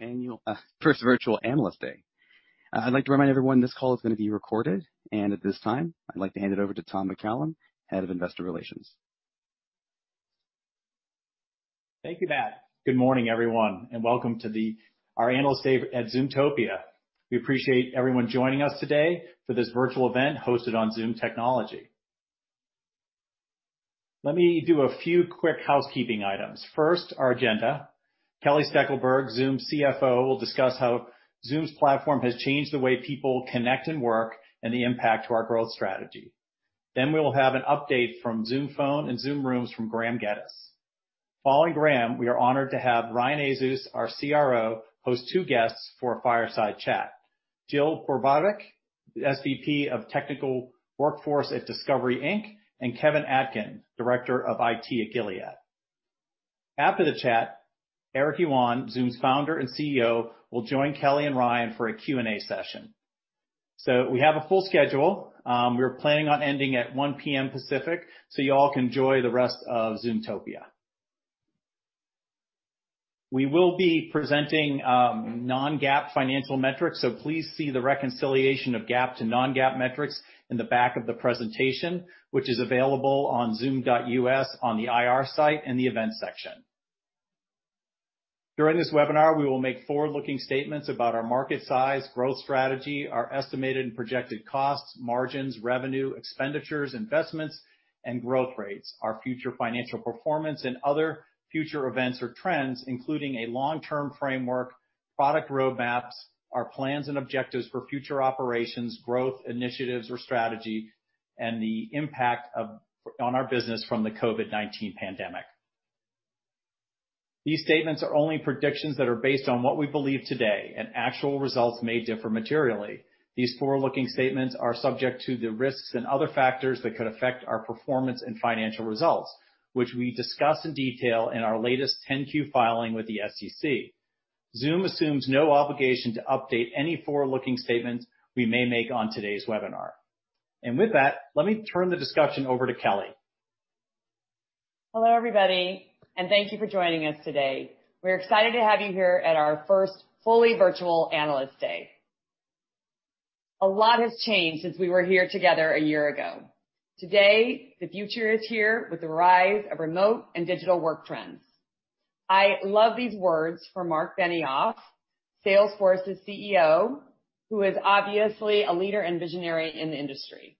Annual First Virtual Analyst Day. I'd like to remind everyone, this call is going to be recorded. At this time, I'd like to hand it over to Tom McCallum, Head of Investor Relations. Thank you, Matt. Good morning, everyone, welcome to our Analyst Day at Zoomtopia. We appreciate everyone joining us today for this virtual event hosted on Zoom Technology. Let me do a few quick housekeeping items. First, our agenda. Kelly Steckelberg, Zoom's CFO, will discuss how Zoom's platform has changed the way people connect and work, the impact to our growth strategy. We will have an update from Zoom Phone and Zoom Rooms from Graeme Geddes. Following Graeme, we are honored to have Ryan Azus, our CRO, host two guests for a fireside chat. Jill Porubovic, the SVP of Technical Workforce at Discovery Inc., Kevin Atkin, Director of IT at Gilead. After the chat, Eric Yuan, Zoom's founder and CEO, will join Kelly and Ryan for a Q&A session. We have a full schedule. We're planning on ending at 1:00 P.M. Pacific, so you all can enjoy the rest of Zoomtopia. We will be presenting non-GAAP financial metrics, so please see the reconciliation of GAAP to non-GAAP metrics in the back of the presentation, which is available on zoom.us on the IR site in the Events section. During this webinar, we will make forward-looking statements about our market size, growth strategy, our estimated and projected costs, margins, revenue, expenditures, investments, and growth rates, our future financial performance and other future events or trends, including a long-term framework, product roadmaps, our plans and objectives for future operations, growth initiatives or strategy, and the impact on our business from the COVID-19 pandemic. These statements are only predictions that are based on what we believe today, and actual results may differ materially. These forward-looking statements are subject to the risks and other factors that could affect our performance and financial results, which we discuss in detail in our latest 10-Q filing with the SEC. Zoom assumes no obligation to update any forward-looking statements we may make on today's webinar. With that, let me turn the discussion over to Kelly. Hello, everybody, and thank you for joining us today. We're excited to have you here at our first fully Virtual Analyst Day. A lot has changed since we were here together a year ago. Today, the future is here with the rise of remote and digital work trends. I love these words from Marc Benioff, Salesforce's CEO, who is obviously a leader and visionary in the industry.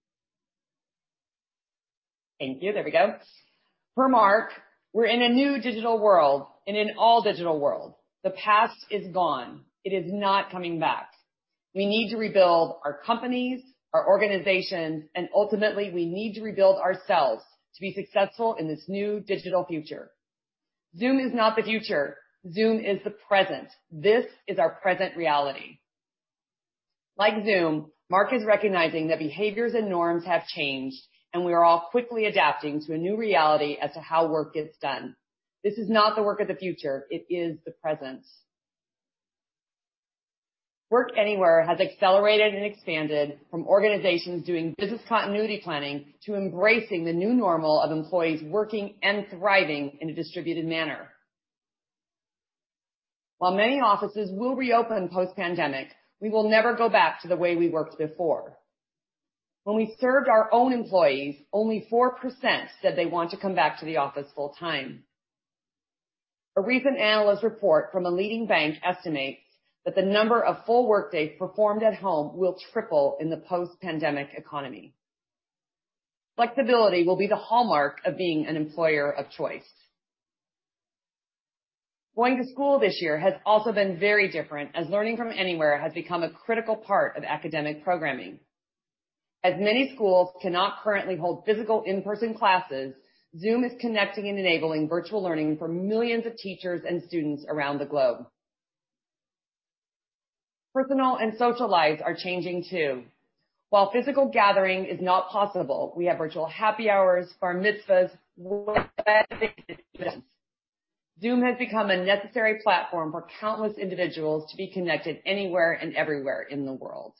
Thank you. There we go. For Marc, we're in a new digital world and an all digital world. The past is gone. It is not coming back. We need to rebuild our companies, our organizations, and ultimately, we need to rebuild ourselves to be successful in this new digital future. Zoom is not the future. Zoom is the present. This is our present reality. Like Zoom, Marc is recognizing that behaviors and norms have changed, and we are all quickly adapting to a new reality as to how work gets done. This is not the work of the future. It is the present. Work anywhere has accelerated and expanded from organizations doing business continuity planning to embracing the new normal of employees working and thriving in a distributed manner. While many offices will reopen post-pandemic, we will never go back to the way we worked before. When we surveyed our own employees, only 4% said they want to come back to the office full time. A recent analyst report from a leading bank estimates that the number of full workdays performed at home will triple in the post-pandemic economy. Flexibility will be the hallmark of being an employer of choice. Going to school this year has also been very different, as learning from anywhere has become a critical part of academic programming. As many schools cannot currently hold physical in-person classes, Zoom is connecting and enabling virtual learning for millions of teachers and students around the globe. Personal and social lives are changing too. While physical gathering is not possible, we have virtual happy hours, bar mitzvahs, weddings and quinceañeras. Zoom has become a necessary platform for countless individuals to be connected anywhere and everywhere in the world.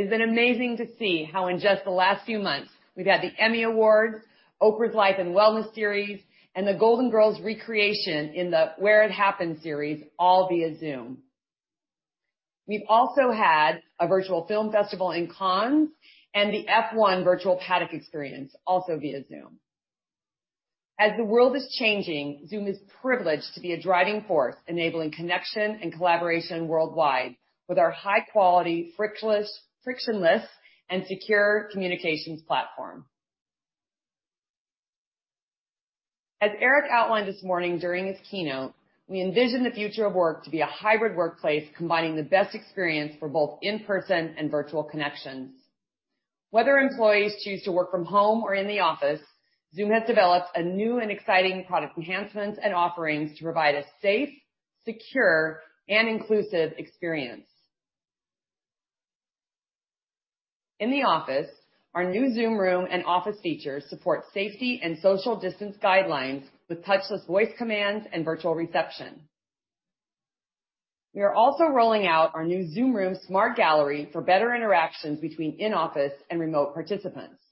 It's been amazing to see how in just the last few months we've had the Emmy Awards, Oprah's Life in Wellness series, and The Golden Girls recreation in the Where It Happened series, all via Zoom. We've also had a virtual film festival in Cannes, and the F1 Virtual Paddock experience also via Zoom. As the world is changing, Zoom is privileged to be a driving force enabling connection and collaboration worldwide with our high quality, frictionless, and secure communications platform. As Eric outlined this morning during his keynote, we envision the future of work to be a hybrid workplace combining the best experience for both in-person and virtual connections. Whether employees choose to work from home or in the office, Zoom has developed new and exciting product enhancements and offerings to provide a safe, secure, and inclusive experience. In the office, our new Zoom Room and Office features support safety and social distance guidelines with touchless voice commands and virtual reception. We are also rolling out our new Zoom Room Smart Gallery for better interactions between in-office and remote participants.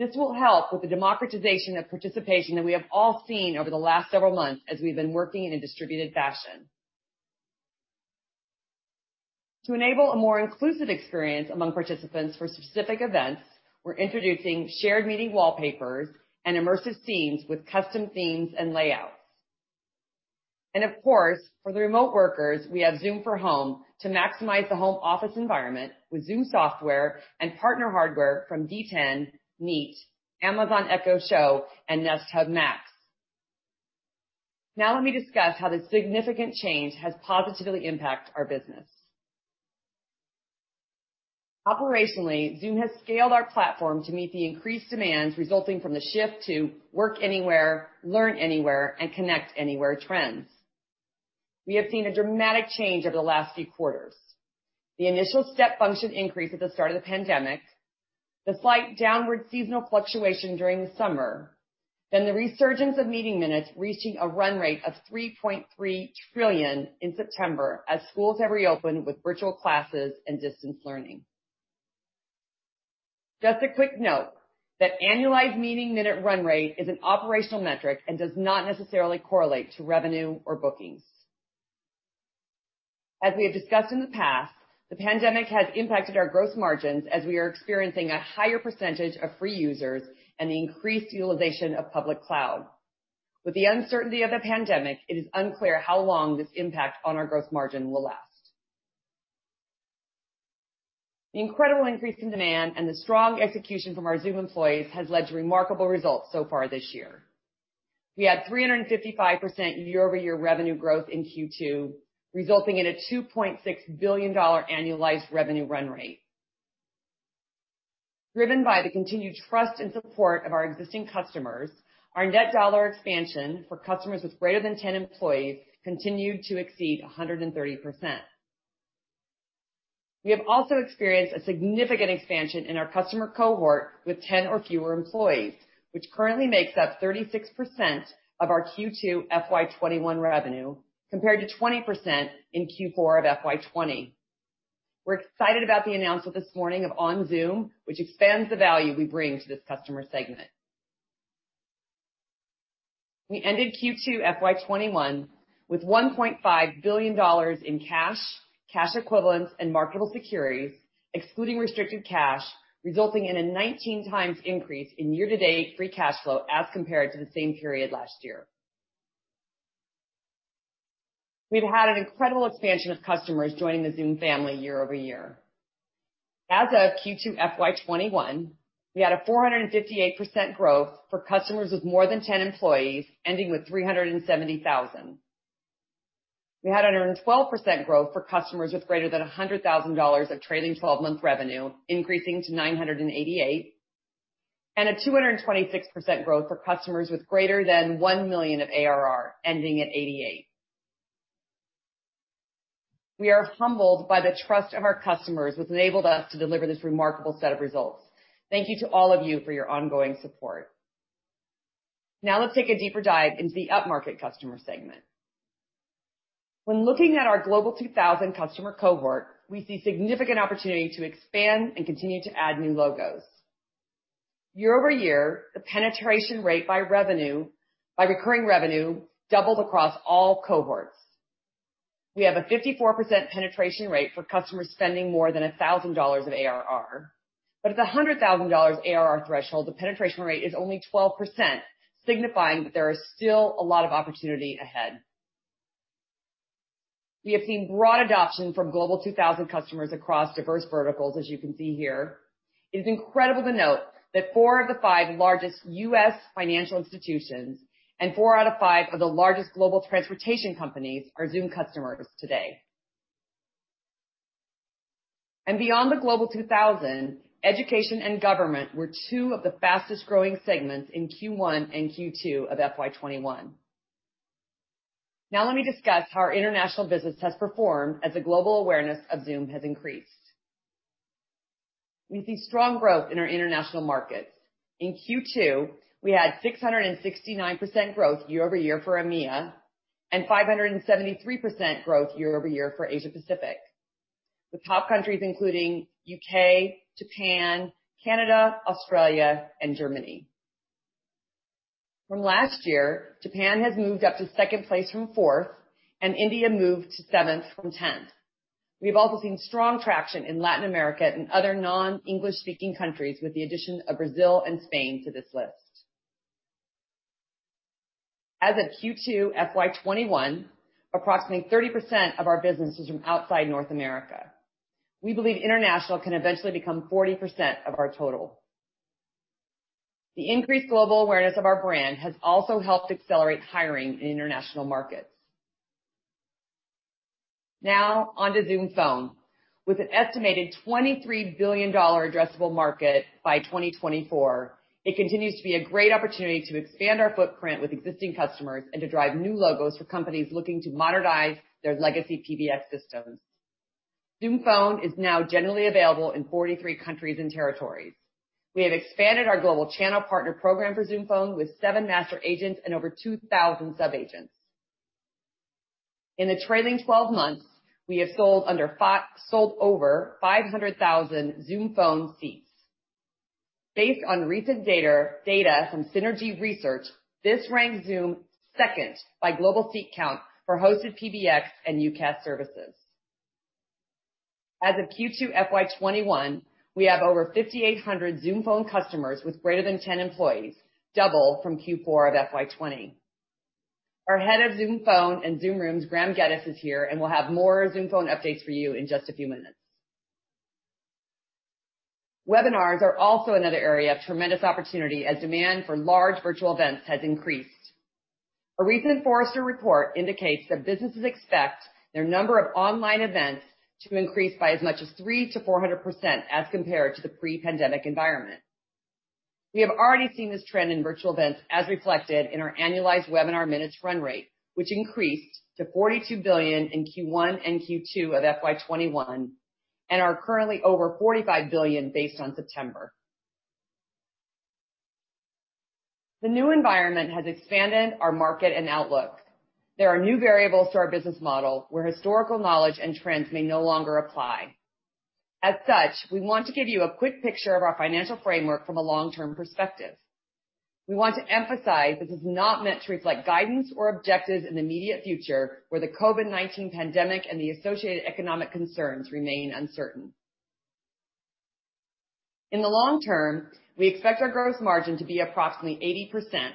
This will help with the democratization of participation that we have all seen over the last several months as we've been working in a distributed fashion. To enable a more inclusive experience among participants for specific events, we're introducing shared meeting wallpapers and immersive scenes with custom themes and layouts. Of course, for the remote workers, we have Zoom for Home to maximize the home office environment with Zoom software and partner hardware from DTEN, Neat, Amazon Echo Show, and Nest Hub Max. Now let me discuss how this significant change has positively impacted our business. Operationally, Zoom has scaled our platform to meet the increased demands resulting from the shift to work anywhere, learn anywhere, and connect anywhere trends. We have seen a dramatic change over the last few quarters. The initial step function increase at the start of the pandemic, the slight downward seasonal fluctuation during the summer, then the resurgence of meeting minutes reaching a run rate of 3.3 trillion in September as schools have reopened with virtual classes and distance learning. Just a quick note that annualized meeting minute run rate is an operational metric and does not necessarily correlate to revenue or bookings. As we have discussed in the past, the pandemic has impacted our gross margins as we are experiencing a higher percentage of free users and the increased utilization of public cloud. With the uncertainty of the pandemic, it is unclear how long this impact on our gross margin will last. The incredible increase in demand and the strong execution from our Zoom employees has led to remarkable results so far this year. We had 355% year-over-year revenue growth in Q2, resulting in a $2.6 billion annualized revenue run rate. Driven by the continued trust and support of our existing customers, our net dollar expansion for customers with greater than 10 employees continued to exceed 130%. We have also experienced a significant expansion in our customer cohort with 10 or fewer employees, which currently makes up 36% of our Q2 FY 2021 revenue, compared to 20% in Q4 of FY 2020. We're excited about the announcement this morning of OnZoom, which expands the value we bring to this customer segment. We ended Q2 FY 2021 with $1.5 billion in cash, cash equivalents, and marketable securities, excluding restricted cash, resulting in a 19x increase in year-to-date free cash flow as compared to the same period last year. We've had an incredible expansion of customers joining the Zoom family year-over-year. As of Q2 FY 2021, we had a 458% growth for customers with more than 10 employees, ending with 370,000. We had 112% growth for customers with greater than $100,000 of trailing 12-month revenue, increasing to 988, and a 226% growth for customers with greater than $1 million of ARR, ending at 88. We are humbled by the trust of our customers, which enabled us to deliver this remarkable set of results. Thank you to all of you for your ongoing support. Now let's take a deeper dive into the upmarket customer segment. When looking at our Global 2000 customer cohort, we see significant opportunity to expand and continue to add new logos. Year-over-year, the penetration rate by recurring revenue doubled across all cohorts. We have a 54% penetration rate for customers spending more than $1,000 of ARR. At the $100,000 ARR threshold, the penetration rate is only 12%, signifying that there is still a lot of opportunity ahead. We have seen broad adoption from Global 2000 customers across diverse verticals, as you can see here. It is incredible to note that four of the five largest U.S. financial institutions and four out of five of the largest global transportation companies are Zoom customers today. Beyond the Global 2000, education and government were two of the fastest-growing segments in Q1 and Q2 of FY 2021. Let me discuss how our international business has performed as the global awareness of Zoom has increased. We see strong growth in our international markets. In Q2, we had 669% growth year-over-year for EMEA and 573% growth year-over-year for Asia Pacific, with top countries including U.K., Japan, Canada, Australia, and Germany. From last year, Japan has moved up to second place from fourth, and India moved to seventh from 10th. We've also seen strong traction in Latin America and other non-English speaking countries with the addition of Brazil and Spain to this list. As of Q2 FY 2021, approximately 30% of our business is from outside North America. We believe international can eventually become 40% of our total. The increased global awareness of our brand has also helped accelerate hiring in international markets. Now on to Zoom Phone. With an estimated $23 billion addressable market by 2024, it continues to be a great opportunity to expand our footprint with existing customers and to drive new logos for companies looking to modernize their legacy PBX systems. Zoom Phone is now generally available in 43 countries and territories. We have expanded our global channel partner program for Zoom Phone with seven master agents and over 2,000 sub-agents. In the trailing 12 months, we have sold over 500,000 Zoom Phone seats. Based on recent data from Synergy Research, this ranks Zoom second by global seat count for hosted PBX and UCaaS services. As of Q2 FY 2021, we have over 5,800 Zoom Phone customers with greater than 10 employees, double from Q4 of FY 2020. Our head of Zoom Phone and Zoom Rooms, Graeme Geddes, is here and will have more Zoom Phone updates for you in just a few minutes. Webinars are also another area of tremendous opportunity as demand for large virtual events has increased. A recent Forrester report indicates that businesses expect their number of online events to increase by as much as 3%-400% as compared to the pre-pandemic environment. We have already seen this trend in virtual events as reflected in our annualized webinar minutes run rate, which increased to $42 billion in Q1 and Q2 of FY 2021, and are currently over $45 billion based on September. The new environment has expanded our market and outlook. There are new variables to our business model where historical knowledge and trends may no longer apply. As such, we want to give you a quick picture of our financial framework from a long-term perspective. We want to emphasize this is not meant to reflect guidance or objectives in the immediate future, where the COVID-19 pandemic and the associated economic concerns remain uncertain. In the long term, we expect our gross margin to be approximately 80%.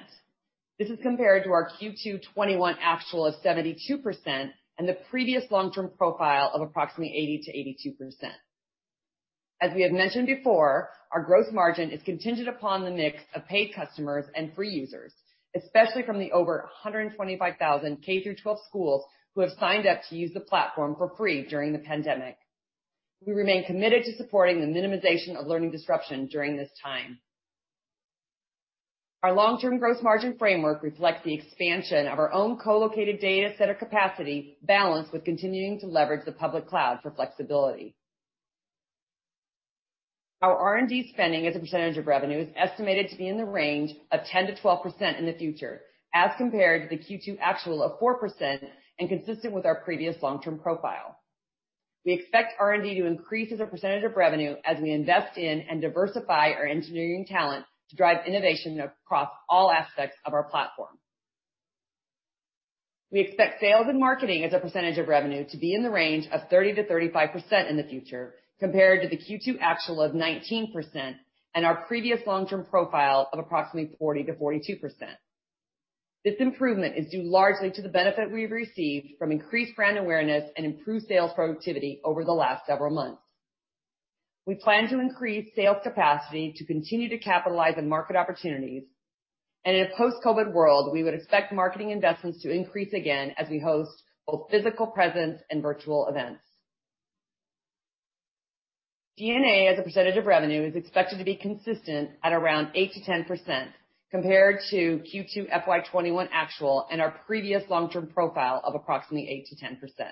This is compared to our Q2 2021 actual of 72%, and the previous long-term profile of approximately 80%-82%. As we have mentioned before, our gross margin is contingent upon the mix of paid customers and free users, especially from the over 125,000 K-12 schools who have signed up to use the platform for free during the pandemic. We remain committed to supporting the minimization of learning disruption during this time. Our long-term gross margin framework reflects the expansion of our own co-located data center capacity, balanced with continuing to leverage the public cloud for flexibility. Our R&D spending as a percentage of revenue is estimated to be in the range of 10%-12% in the future, as compared to the Q2 actual of 4% and consistent with our previous long-term profile. We expect R&D to increase as a percentage of revenue as we invest in and diversify our engineering talent to drive innovation across all aspects of our platform. We expect sales and marketing as a percentage of revenue to be in the range of 30%-35% in the future, compared to the Q2 actual of 19% and our previous long-term profile of approximately 40%-42%. This improvement is due largely to the benefit we've received from increased brand awareness and improved sales productivity over the last several months. We plan to increase sales capacity to continue to capitalize on market opportunities, and in a post-COVID world, we would expect marketing investments to increase again as we host both physical presence and virtual events. G&A as a percentage of revenue is expected to be consistent at around 8%-10%, compared to Q2 FY 2021 actual and our previous long-term profile of approximately 8%-10%.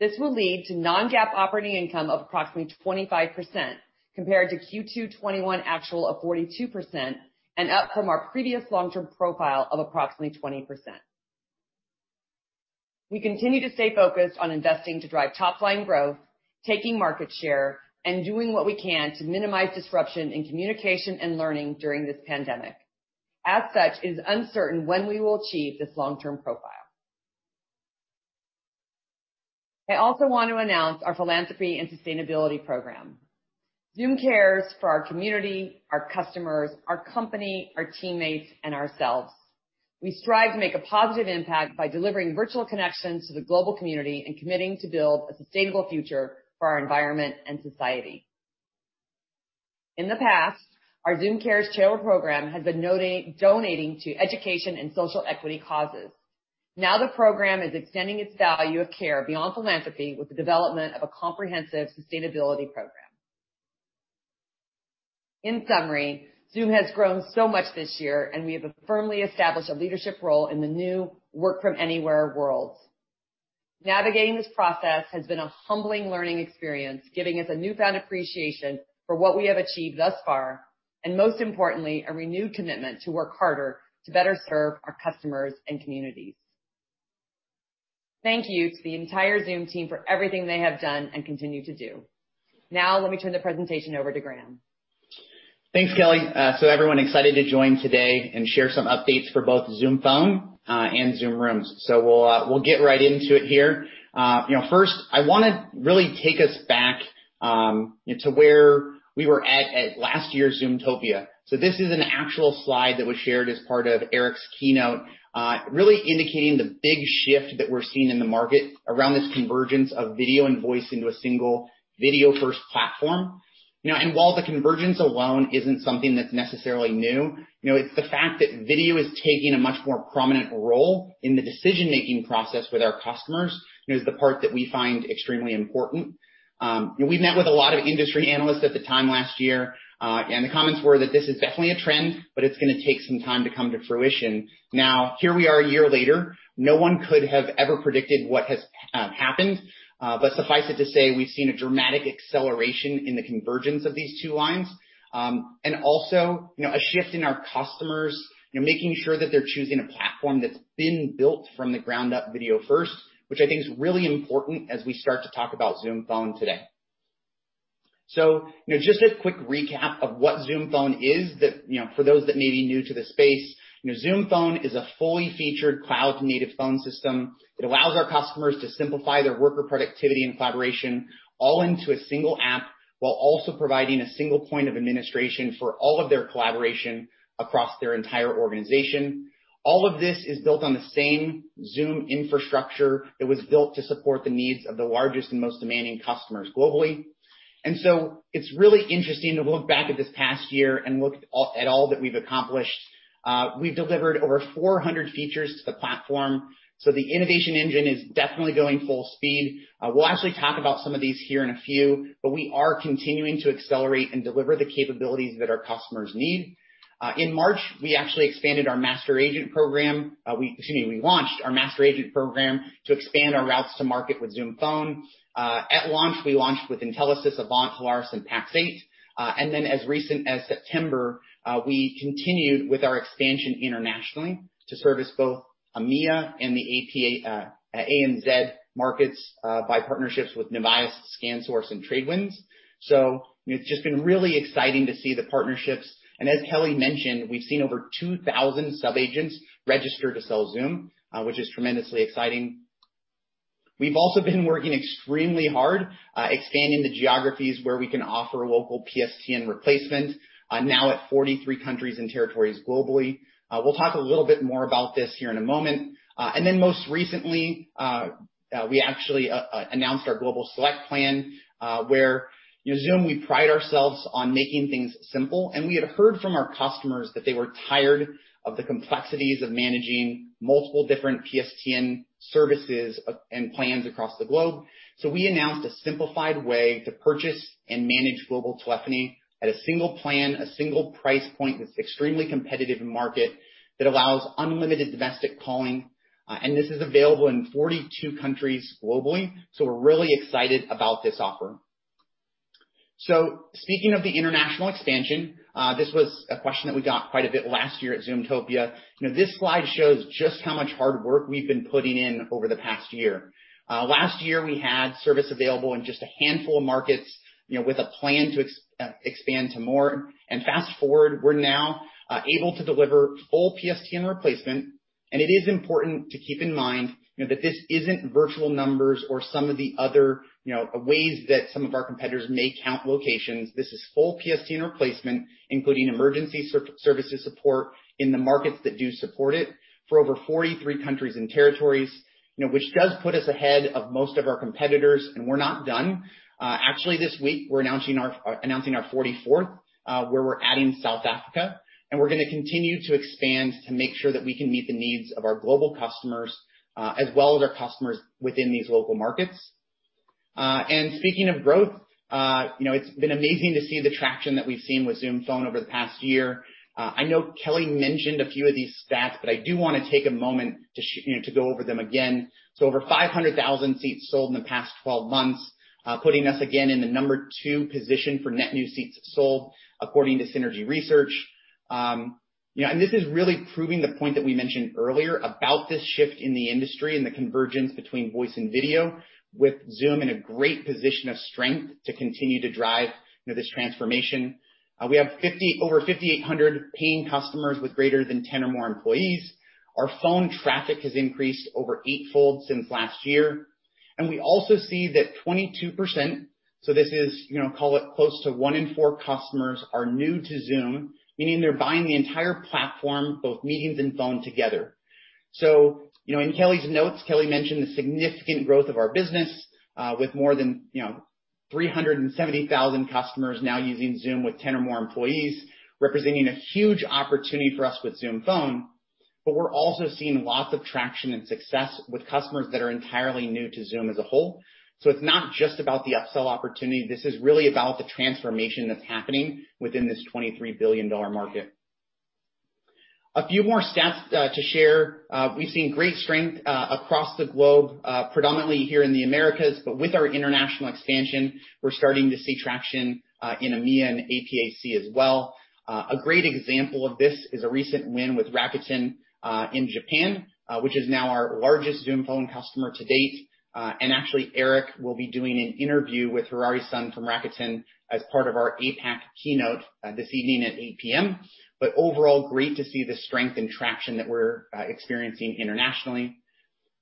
This will lead to non-GAAP operating income of approximately 25%, compared to Q2 2021 actual of 42%, and up from our previous long-term profile of approximately 20%. We continue to stay focused on investing to drive top-line growth, taking market share, and doing what we can to minimize disruption in communication and learning during this pandemic. As such, it is uncertain when we will achieve this long-term profile. I also want to announce our philanthropy and sustainability program. Zoom Cares for our community, our customers, our company, our teammates, and ourselves. We strive to make a positive impact by delivering virtual connections to the global community and committing to build a sustainable future for our environment and society. In the past, our Zoom Cares charitable program has been donating to education and social equity causes. Now the program is extending its value of care beyond philanthropy with the development of a comprehensive sustainability program. In summary, Zoom has grown so much this year, and we have firmly established a leadership role in the new work-from-anywhere world. Navigating this process has been a humbling learning experience, giving us a newfound appreciation for what we have achieved thus far, and most importantly, a renewed commitment to work harder to better serve our customers and communities. Thank you to the entire Zoom team for everything they have done and continue to do. Now, let me turn the presentation over to Graeme. Thanks, Kelly. Everyone, excited to join today and share some updates for both Zoom Phone and Zoom Rooms. We'll get right into it here. First, I want to really take us back to where we were at, at last year's Zoomtopia. This is an actual slide that was shared as part of Eric's keynote really indicating the big shift that we're seeing in the market around this convergence of video and voice into a single video-first platform. While the convergence alone isn't something that's necessarily new, it's the fact that video is taking a much more prominent role in the decision-making process with our customers is the part that we find extremely important. We met with a lot of industry analysts at the time last year. The comments were that this is definitely a trend, but it's going to take some time to come to fruition. Here we are a year later. No one could have ever predicted what has happened. Suffice it to say, we've seen a dramatic acceleration in the convergence of these two lines. Also, a shift in our customers, making sure that they're choosing a platform that's been built from the ground up video-first, which I think is really important as we start to talk about Zoom Phone today. Just a quick recap of what Zoom Phone is, for those that may be new to the space. Zoom Phone is a fully featured cloud-native phone system that allows our customers to simplify their worker productivity and collaboration all into a single app, while also providing a single point of administration for all of their collaboration across their entire organization. All of this is built on the same Zoom infrastructure that was built to support the needs of the largest and most demanding customers globally. It's really interesting to look back at this past year and look at all that we've accomplished. We've delivered over 400 features to the platform. The innovation engine is definitely going full speed. We'll actually talk about some of these here in a few, but we are continuing to accelerate and deliver the capabilities that our customers need. In March, we actually expanded our master agent program. Excuse me, we launched our master agent program to expand our routes to market with Zoom Phone. At launch, we launched with Intelisys, AVANT, Telarus, and Pax8. As recent as September, we continued with our expansion internationally to service both EMEA and the APAC, ANZ markets, by partnerships with Nuvias, ScanSource, and Tradewinds. It's just been really exciting to see the partnerships, and as Kelly mentioned, we've seen over 2,000 sub-agents register to sell Zoom, which is tremendously exciting. We've also been working extremely hard, expanding the geographies where we can offer local PSTN replacement, now at 43 countries and territories globally. We'll talk a little bit more about this here in a moment. Most recently, we actually announced our Global Select plan, where Zoom, we pride ourselves on making things simple. We had heard from our customers that they were tired of the complexities of managing multiple different PSTN services and plans across the globe. We announced a simplified way to purchase and manage global telephony at a single plan, a single price point that's extremely competitive in market, that allows unlimited domestic calling. This is available in 42 countries globally. We're really excited about this offer. Speaking of the international expansion, this was a question that we got quite a bit last year at Zoomtopia. This slide shows just how much hard work we've been putting in over the past year. Last year, we had service available in just a handful of markets with a plan to expand to more. Fast-forward, we're now able to deliver full PSTN replacement. It is important to keep in mind that this isn't virtual numbers or some of the other ways that some of our competitors may count locations. This is full PSTN replacement, including emergency services support in the markets that do support it, for over 43 countries and territories, which does put us ahead of most of our competitors. We're not done. Actually, this week, we're announcing our 44th, where we're adding South Africa, we're going to continue to expand to make sure that we can meet the needs of our global customers, as well as our customers within these local markets. Speaking of growth, it's been amazing to see the traction that we've seen with Zoom Phone over the past year. I know Kelly mentioned a few of these stats, I do want to take a moment to go over them again. Over 500,000 seats sold in the past 12 months, putting us again in the number two position for net new seats sold, according to Synergy Research. This is really proving the point that we mentioned earlier about this shift in the industry and the convergence between voice and video with Zoom in a great position of strength to continue to drive this transformation. We have over 5,800 paying customers with greater than 10 or more employees. Our phone traffic has increased over eightfold since last year. We also see that 22%, so this is, call it close to one in four customers are new to Zoom, meaning they're buying the entire platform, both meetings and phone together. In Kelly's notes, Kelly mentioned the significant growth of our business, with more than 370,000 customers now using Zoom with 10 or more employees, representing a huge opportunity for us with Zoom Phone. We're also seeing lots of traction and success with customers that are entirely new to Zoom as a whole. It's not just about the upsell opportunity. This is really about the transformation that's happening within this $23 billion market. A few more stats to share. We've seen great strength across the globe, predominantly here in the Americas. But with our international expansion, we're starting to see traction, in EMEA and APAC as well. A great example of this is a recent win with Rakuten in Japan, which is now our largest Zoom Phone customer to date. Actually Eric will be doing an interview with Hiroshi Mikitani from Rakuten as part of our APAC keynote this evening at 8:00 P.M. Overall, great to see the strength and traction that we're experiencing internationally.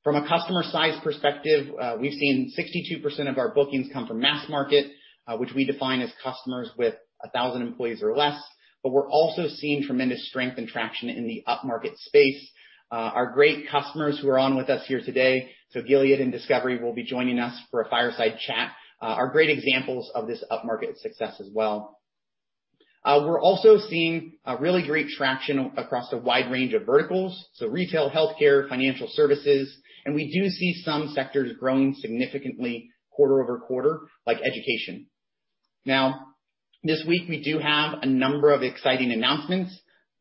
From a customer size perspective, we've seen 62% of our bookings come from mass market, which we define as customers with 1,000 employees or less. We're also seeing tremendous strength and traction in the upmarket space. Our great customers who are on with us here today, so Gilead and Discovery will be joining us for a fireside chat, are great examples of this upmarket success as well. We're also seeing a really great traction across a wide range of verticals, so retail, healthcare, financial services, and we do see some sectors growing significantly quarter-over-quarter, like education. This week, we do have a number of exciting announcements.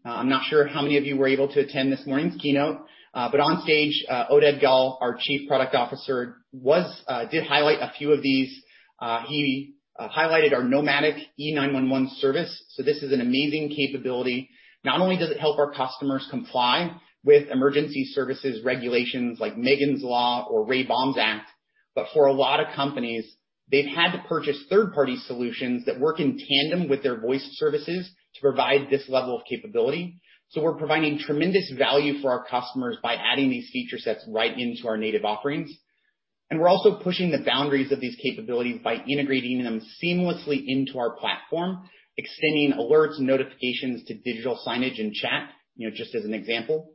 I'm not sure how many of you were able to attend this morning's keynote. On stage, Oded Gal, our Chief Product Officer, did highlight a few of these. He highlighted our nomadic E911 service. This is an amazing capability. Not only does it help our customers comply with emergency services regulations like Kari's Law or RAY BAUM'S Act. For a lot of companies, they've had to purchase third-party solutions that work in tandem with their voice services to provide this level of capability. We're providing tremendous value for our customers by adding these feature sets right into our native offerings. We're also pushing the boundaries of these capabilities by integrating them seamlessly into our platform, extending alerts and notifications to digital signage and chat, just as an example.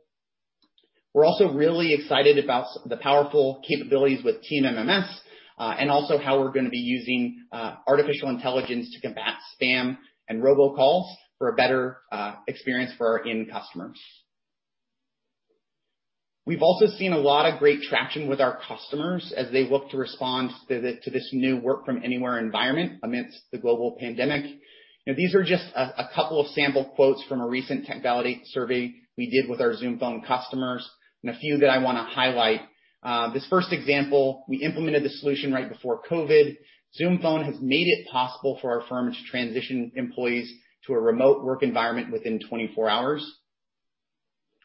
We're also really excited about the powerful capabilities with Teams MMS, and also how we're going to be using artificial intelligence to combat spam and robocalls for a better experience for our end customers. We've also seen a lot of great traction with our customers as they look to respond to this new work-from-anywhere environment amidst the global pandemic. These are just a couple of sample quotes from a recent TechValidate survey we did with our Zoom Phone customers, and a few that I want to highlight. This first example, "We implemented the solution right before COVID. Zoom Phone has made it possible for our firm to transition employees to a remote work environment within 24 hours."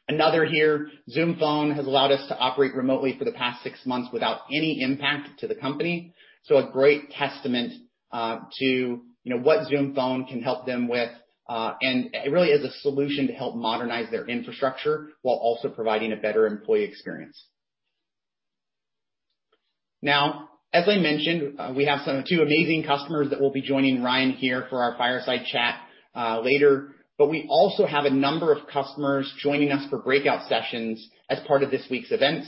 Another here, "Zoom Phone has allowed us to operate remotely for the past six months without any impact to the company. A great testament to what Zoom Phone can help them with. It really is a solution to help modernize their infrastructure while also providing a better employee experience." Now, as I mentioned, we have two amazing customers that will be joining Ryan here for our fireside chat later. We also have a number of customers joining us for breakout sessions as part of this week's events.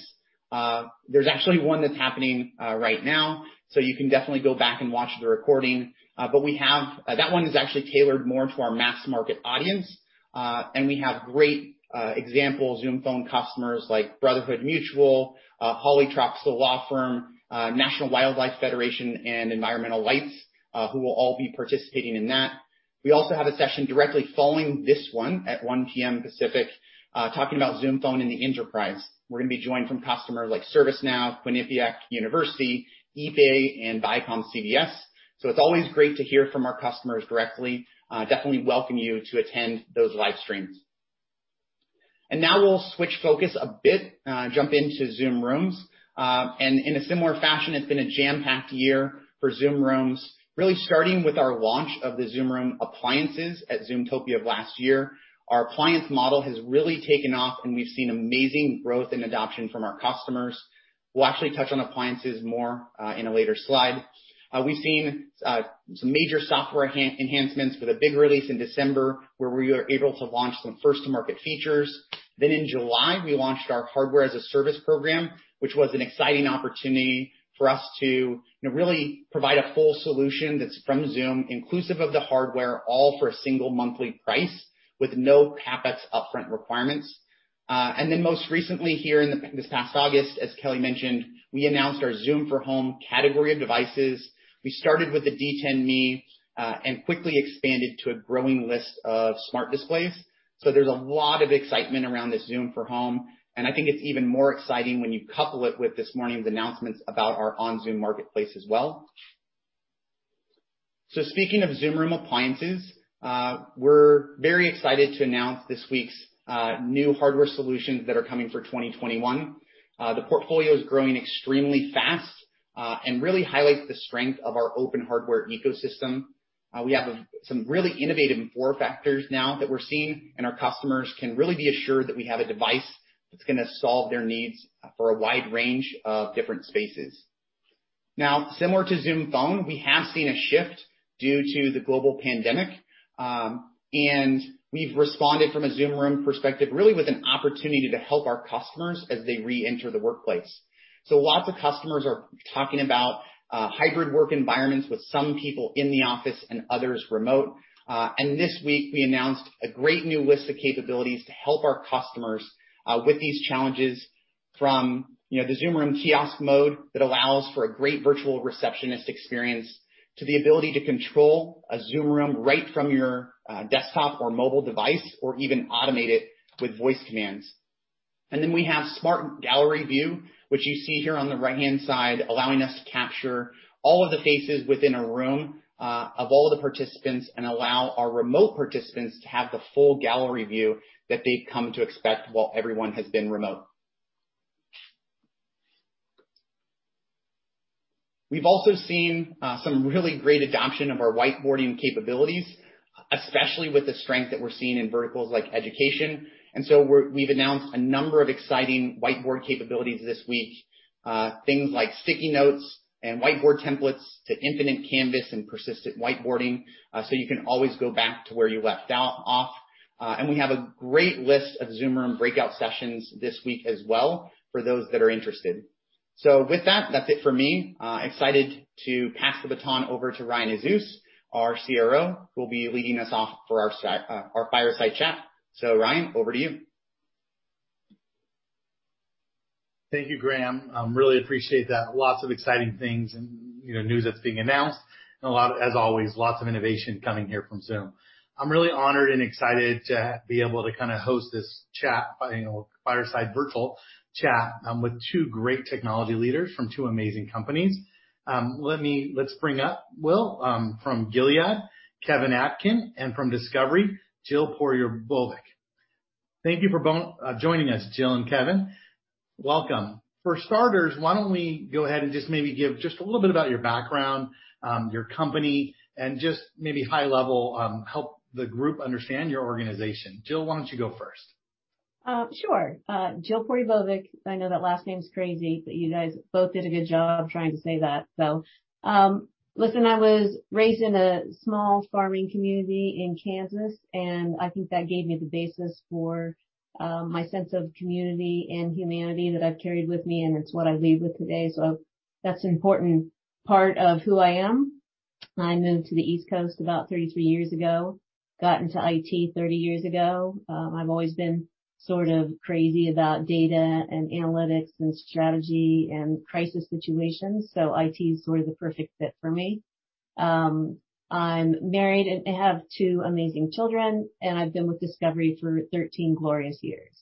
There's actually one that's happening right now, so you can definitely go back and watch the recording. That one is actually tailored more to our mass market audience. We have great example Zoom Phone customers like Brotherhood Mutual, Hawley Troxell Law Firm, National Wildlife Federation, and Environmental Lights, who will all be participating in that. We also have a session directly following this one at 1:00 P.M. Pacific, talking about Zoom Phone in the enterprise. We're going to be joined from customers like ServiceNow, Quinnipiac University, eBay, and ViacomCBS. It's always great to hear from our customers directly. Definitely welcome you to attend those live streams. Now we'll switch focus a bit, jump into Zoom Rooms. In a similar fashion, it's been a jam-packed year for Zoom Rooms, really starting with our launch of the Zoom Rooms appliances at Zoomtopia of last year. Our appliance model has really taken off, and we've seen amazing growth and adoption from our customers. We'll actually touch on appliances more in a later slide. We've seen some major software enhancements with a big release in December, where we were able to launch some first-to-market features. In July, we launched our hardware-as-a-service program, which was an exciting opportunity for us to really provide a full solution that's from Zoom, inclusive of the hardware, all for a single monthly price with no CapEx upfront requirements. Most recently, here in this past August, as Kelly mentioned, we announced our Zoom for Home category of devices. We started with the DTEN ME, and quickly expanded to a growing list of smart displays. There's a lot of excitement around this Zoom for Home, and I think it's even more exciting when you couple it with this morning's announcements about our OnZoom marketplace as well. Speaking of Zoom Room appliances, we're very excited to announce this week's new hardware solutions that are coming for 2021. The portfolio is growing extremely fast and really highlights the strength of our open hardware ecosystem. We have some really innovative form factors now that we're seeing, and our customers can really be assured that we have a device that's going to solve their needs for a wide range of different spaces. Now, similar to Zoom Phone, we have seen a shift due to the global pandemic. We've responded from a Zoom Room perspective, really with an opportunity to help our customers as they reenter the workplace. Lots of customers are talking about hybrid work environments with some people in the office and others remote. This week, we announced a great new list of capabilities to help our customers with these challenges from the Zoom Room Kiosk Mode that allows for a great virtual receptionist experience, to the ability to control a Zoom Room right from your desktop or mobile device, or even automate it with voice commands. We have Smart Gallery View, which you see here on the right-hand side, allowing us to capture all of the faces within a room, of all the participants, and allow our remote participants to have the full gallery view that they've come to expect while everyone has been remote. We've also seen some really great adoption of our whiteboarding capabilities, especially with the strength that we're seeing in verticals like education. We've announced a number of exciting whiteboard capabilities this week. Things like sticky notes and whiteboard templates to infinite canvas and persistent whiteboarding, you can always go back to where you left off. We have a great list of Zoom Room breakout sessions this week as well, for those that are interested. With that's it for me. Excited to pass the baton over to Ryan Azus, our CRO, who will be leading us off for our fireside chat. Ryan, over to you. Thank you, Graeme. Really appreciate that. Lots of exciting things and news that's being announced, and as always, lots of innovation coming here from Zoom. I'm really honored and excited to be able to host this fireside virtual chat with two great technology leaders from two amazing companies. Let's bring up Kevin Atkin from Gilead, and from Discovery, Jill Porubovic. Thank you for joining us, Jill and Kevin. Welcome. For starters, why don't we go ahead and just maybe give just a little bit about your background, your company, and just maybe high level, help the group understand your organization. Jill, why don't you go first? Sure. Jill Porubovic. I know that last name's crazy, but you guys both did a good job trying to say that. Listen, I was raised in a small farming community in Kansas, and I think that gave me the basis for my sense of community and humanity that I've carried with me, and it's what I lead with today. That's an important part of who I am. I moved to the East Coast about 33 years ago, got into IT 30 years ago. I've always been sort of crazy about data and analytics and strategy and crisis situations, IT is sort of the perfect fit for me. I'm married and have two amazing children, and I've been with Discovery for 13 glorious years.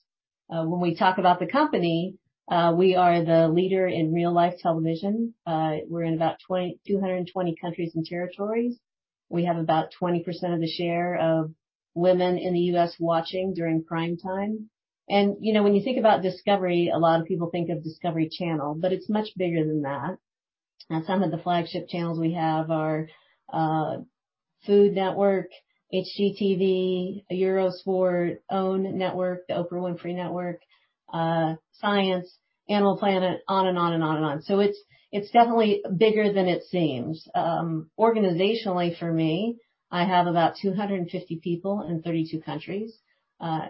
When we talk about the company, we are the leader in real-life television. We're in about 220 countries and territories. We have about 20% of the share of women in the U.S. watching during prime time. When you think about Discovery, a lot of people think of Discovery Channel, but it's much bigger than that. Some of the flagship channels we have are Food Network, HGTV, Eurosport, OWN Network, the Oprah Winfrey Network, Science, Animal Planet, on and on. It's definitely bigger than it seems. Organizationally for me, I have about 250 people in 32 countries.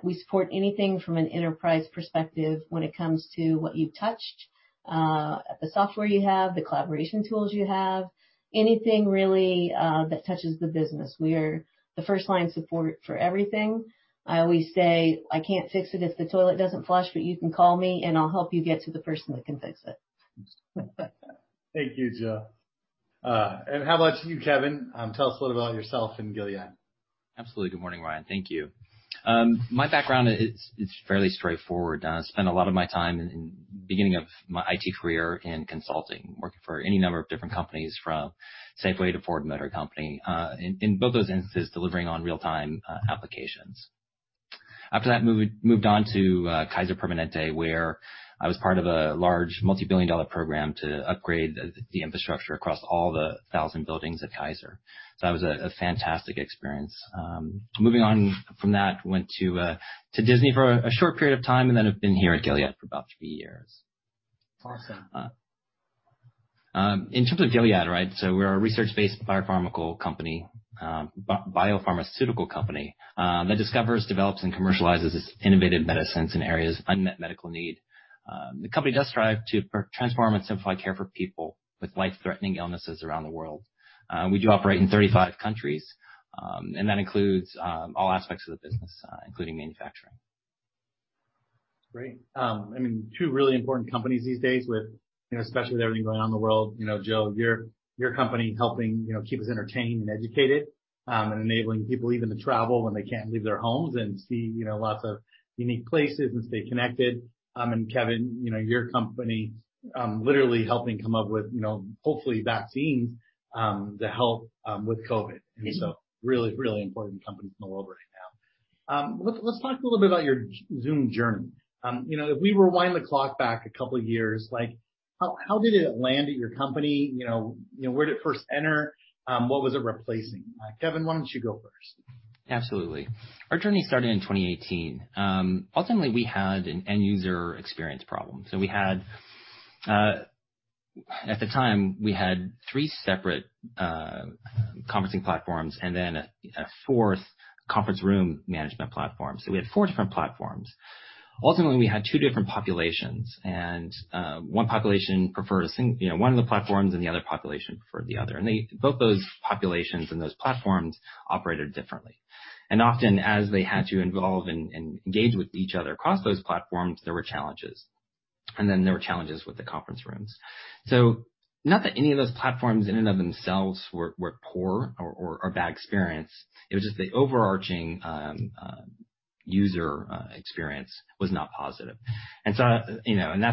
We support anything from an enterprise perspective when it comes to what you've touched, the software you have, the collaboration tools you have, anything really that touches the business. We are the first line support for everything. I always say, "I can't fix it if the toilet doesn't flush, but you can call me, and I'll help you get to the person that can fix it." Thank you, Jill. How about you, Kevin? Tell us a little about yourself and Gilead. Absolutely. Good morning, Ryan. Thank you. My background is fairly straightforward. I spent a lot of my time in beginning of my IT career in consulting, working for any number of different companies from Safeway to Ford Motor Company. In both those instances, delivering on real-time applications. After that, moved on to Kaiser Permanente, where I was part of a large multi-billion dollar program to upgrade the infrastructure across all the 1,000 buildings at Kaiser. That was a fantastic experience. Moving on from that, went to Disney for a short period of time, and then I've been here at Gilead for about three years. Awesome. In terms of Gilead, we're a research-based biopharmaceutical company that discovers, develops, and commercializes its innovative medicines in areas of unmet medical need. The company does strive to transform and simplify care for people with life-threatening illnesses around the world. We do operate in 35 countries, and that includes all aspects of the business, including manufacturing. Great. Two really important companies these days with, especially with everything going on in the world. Jill, your company helping keep us entertained and educated, and enabling people even to travel when they can't leave their homes and see lots of unique places and stay connected. Kevin, your company, literally helping come up with, hopefully vaccines, to help with COVID. Really, really important companies in the world right now. Let's talk a little bit about your Zoom journey. If we rewind the clock back a couple of years, how did it land at your company? Where did it first enter? What was it replacing? Kevin, why don't you go first? Absolutely. Our journey started in 2018. Ultimately, we had an end-user experience problem. We had, at the time, we had three separate conferencing platforms and then a fourth conference room management platform. We had four different platforms. Ultimately, we had two different populations, and one population preferred one of the platforms, and the other population preferred the other. Both those populations and those platforms operated differently. Often, as they had to involve and engage with each other across those platforms, there were challenges. There were challenges with the conference rooms. Not that any of those platforms in and of themselves were poor or a bad experience. It was just the overarching user experience was not positive. That's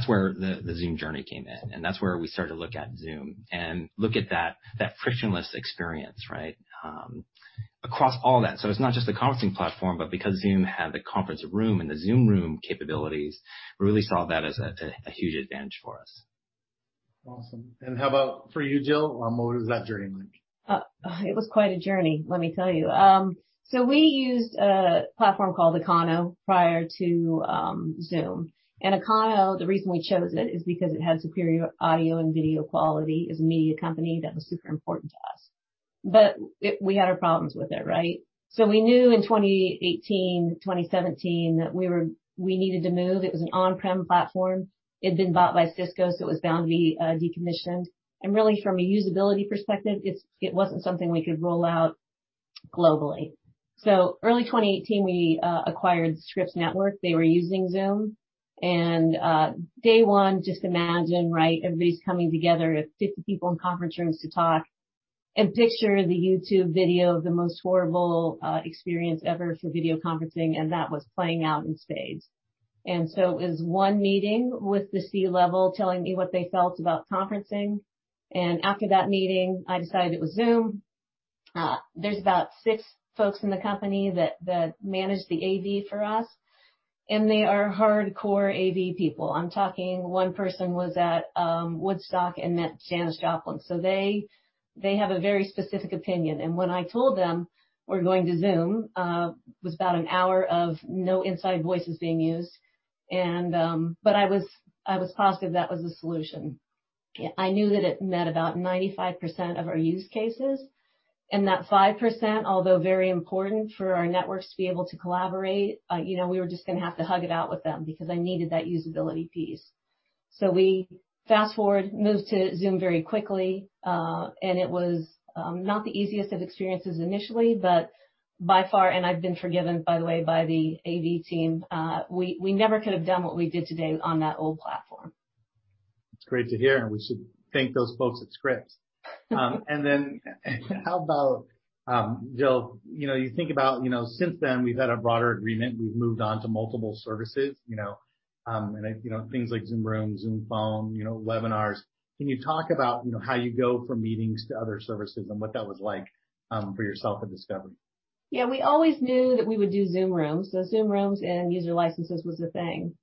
where the Zoom journey came in, and that's where we started to look at Zoom and look at that frictionless experience across all that. It's not just the conferencing platform, but because Zoom had the conference room and the Zoom Room capabilities, we really saw that as a huge advantage for us. Awesome. How about for you, Jill? What was that journey like? It was quite a journey, let me tell you. We used a platform called Acano prior to Zoom. Acano, the reason we chose it is because it had superior audio and video quality. As a media company, that was super important to us. We had our problems with it, right? We knew in 2018, 2017, that we needed to move. It was an on-prem platform. It had been bought by Cisco, so it was bound to be decommissioned. Really from a usability perspective, it wasn't something we could roll out, globally. Early 2018, we acquired Scripps Network. They were using Zoom. Day one, just imagine, right, everybody's coming together, 50 people in conference rooms to talk and picture the YouTube video of the most horrible experience ever for video conferencing, and that was playing out in spades. It was one meeting with the C-level telling me what they felt about conferencing. After that meeting, I decided it was Zoom. There's about six folks in the company that manage the AV for us, and they are hardcore AV people. I'm talking, one person was at Woodstock and met Janis Joplin. They have a very specific opinion. When I told them we're going to Zoom, it was about an hour of no inside voices being used. I was positive that was the solution. I knew that it met about 95% of our use cases, and that 5%, although very important for our networks to be able to collaborate, we were just going to have to hug it out with them because I needed that usability piece. We fast forward, moved to Zoom very quickly. It was not the easiest of experiences initially, by far, and I've been forgiven, by the way, by the AV team. We never could have done what we did today on that old platform. It's great to hear. We should thank those folks at Scripps. How about, Jill, you think about, since then, we've had a broader agreement. We've moved on to multiple services, you know, things like Zoom Rooms, Zoom Phone, webinars. Can you talk about how you go from meetings to other services and what that was like for yourself at Discovery? We always knew that we would do Zoom Rooms. Zoom Rooms and user licenses was a thing.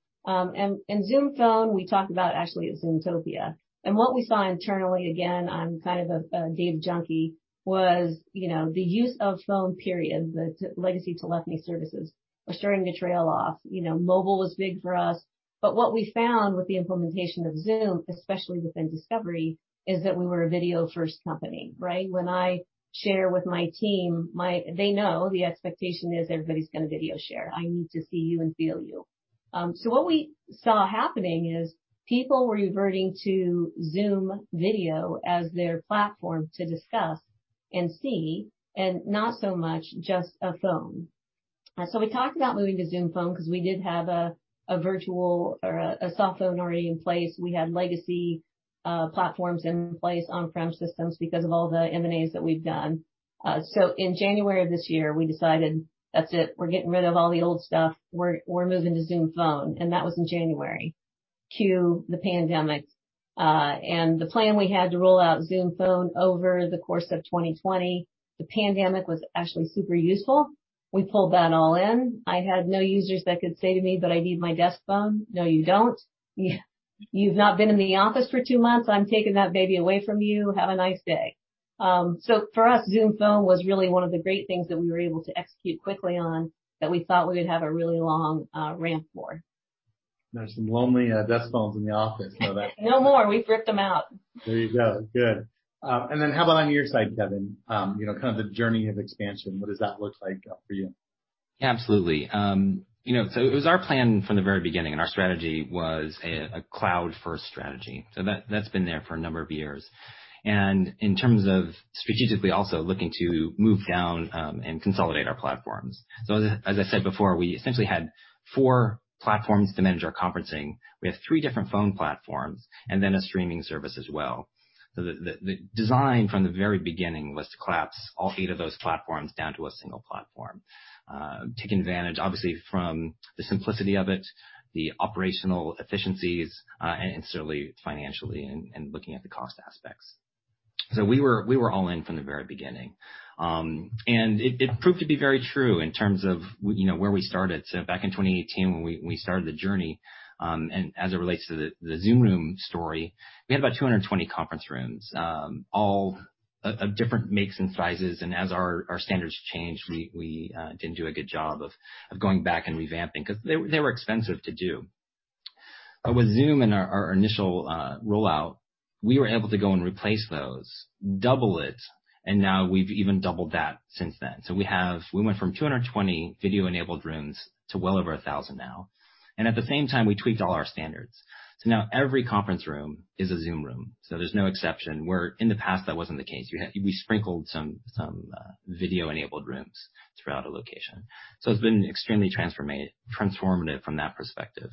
Zoom Phone, we talked about actually at Zoomtopia. What we saw internally, again, I'm kind of a data junkie, was the use of phone, period, the legacy telephony services, were starting to trail off. Mobile was big for us. What we found with the implementation of Zoom, especially within Discovery, is that we were a video-first company, right? When I share with my team, they know the expectation is everybody's going to video share. I need to see you and feel you. What we saw happening is people were reverting to Zoom Video as their platform to discuss and see, and not so much just a phone. We talked about moving to Zoom Phone because we did have a virtual or a soft phone already in place. We had legacy platforms in place, on-prem systems, because of all the M&As that we've done. In January of this year, we decided, that's it. We're getting rid of all the old stuff. We're moving to Zoom Phone, and that was in January. Cue the pandemic. The plan we had to roll out Zoom Phone over the course of 2020. The pandemic was actually super useful. We pulled that all in. I had no users that could say to me, "But I need my desk phone." No, you don't. You've not been in the office for two months. I'm taking that baby away from you. Have a nice day. For us, Zoom Phone was really one of the great things that we were able to execute quickly on that we thought we would have a really long ramp for. There's some lonely desk phones in the office now. No more. We've ripped them out. There you go. Good. How about on your side, Kevin? Kind of the journey of expansion. What does that look like for you? Yeah, absolutely. It was our plan from the very beginning, and our strategy was a cloud-first strategy. That's been there for a number of years. In terms of strategically also looking to move down and consolidate our platforms. As I said before, we essentially had four platforms to manage our conferencing. We have three different phone platforms and then a streaming service as well. The design from the very beginning was to collapse all eight of those platforms down to a single platform. Take advantage, obviously, from the simplicity of it, the operational efficiencies, and certainly financially and looking at the cost aspects. We were all in from the very beginning. It proved to be very true in terms of where we started. Back in 2018, when we started the journey, as it relates to the Zoom Rooms story, we had about 220 conference rooms, all of different makes and sizes, as our standards changed, we didn't do a good job of going back and revamping because they were expensive to do. With Zoom and our initial rollout, we were able to go and replace those, double it, now we've even doubled that since then. We went from 220 video-enabled rooms to well over 1,000 now. At the same time, we tweaked all our standards. Now every conference room is a Zoom Room. There's no exception, where in the past, that wasn't the case. We sprinkled some video-enabled rooms throughout a location. It's been extremely transformative from that perspective.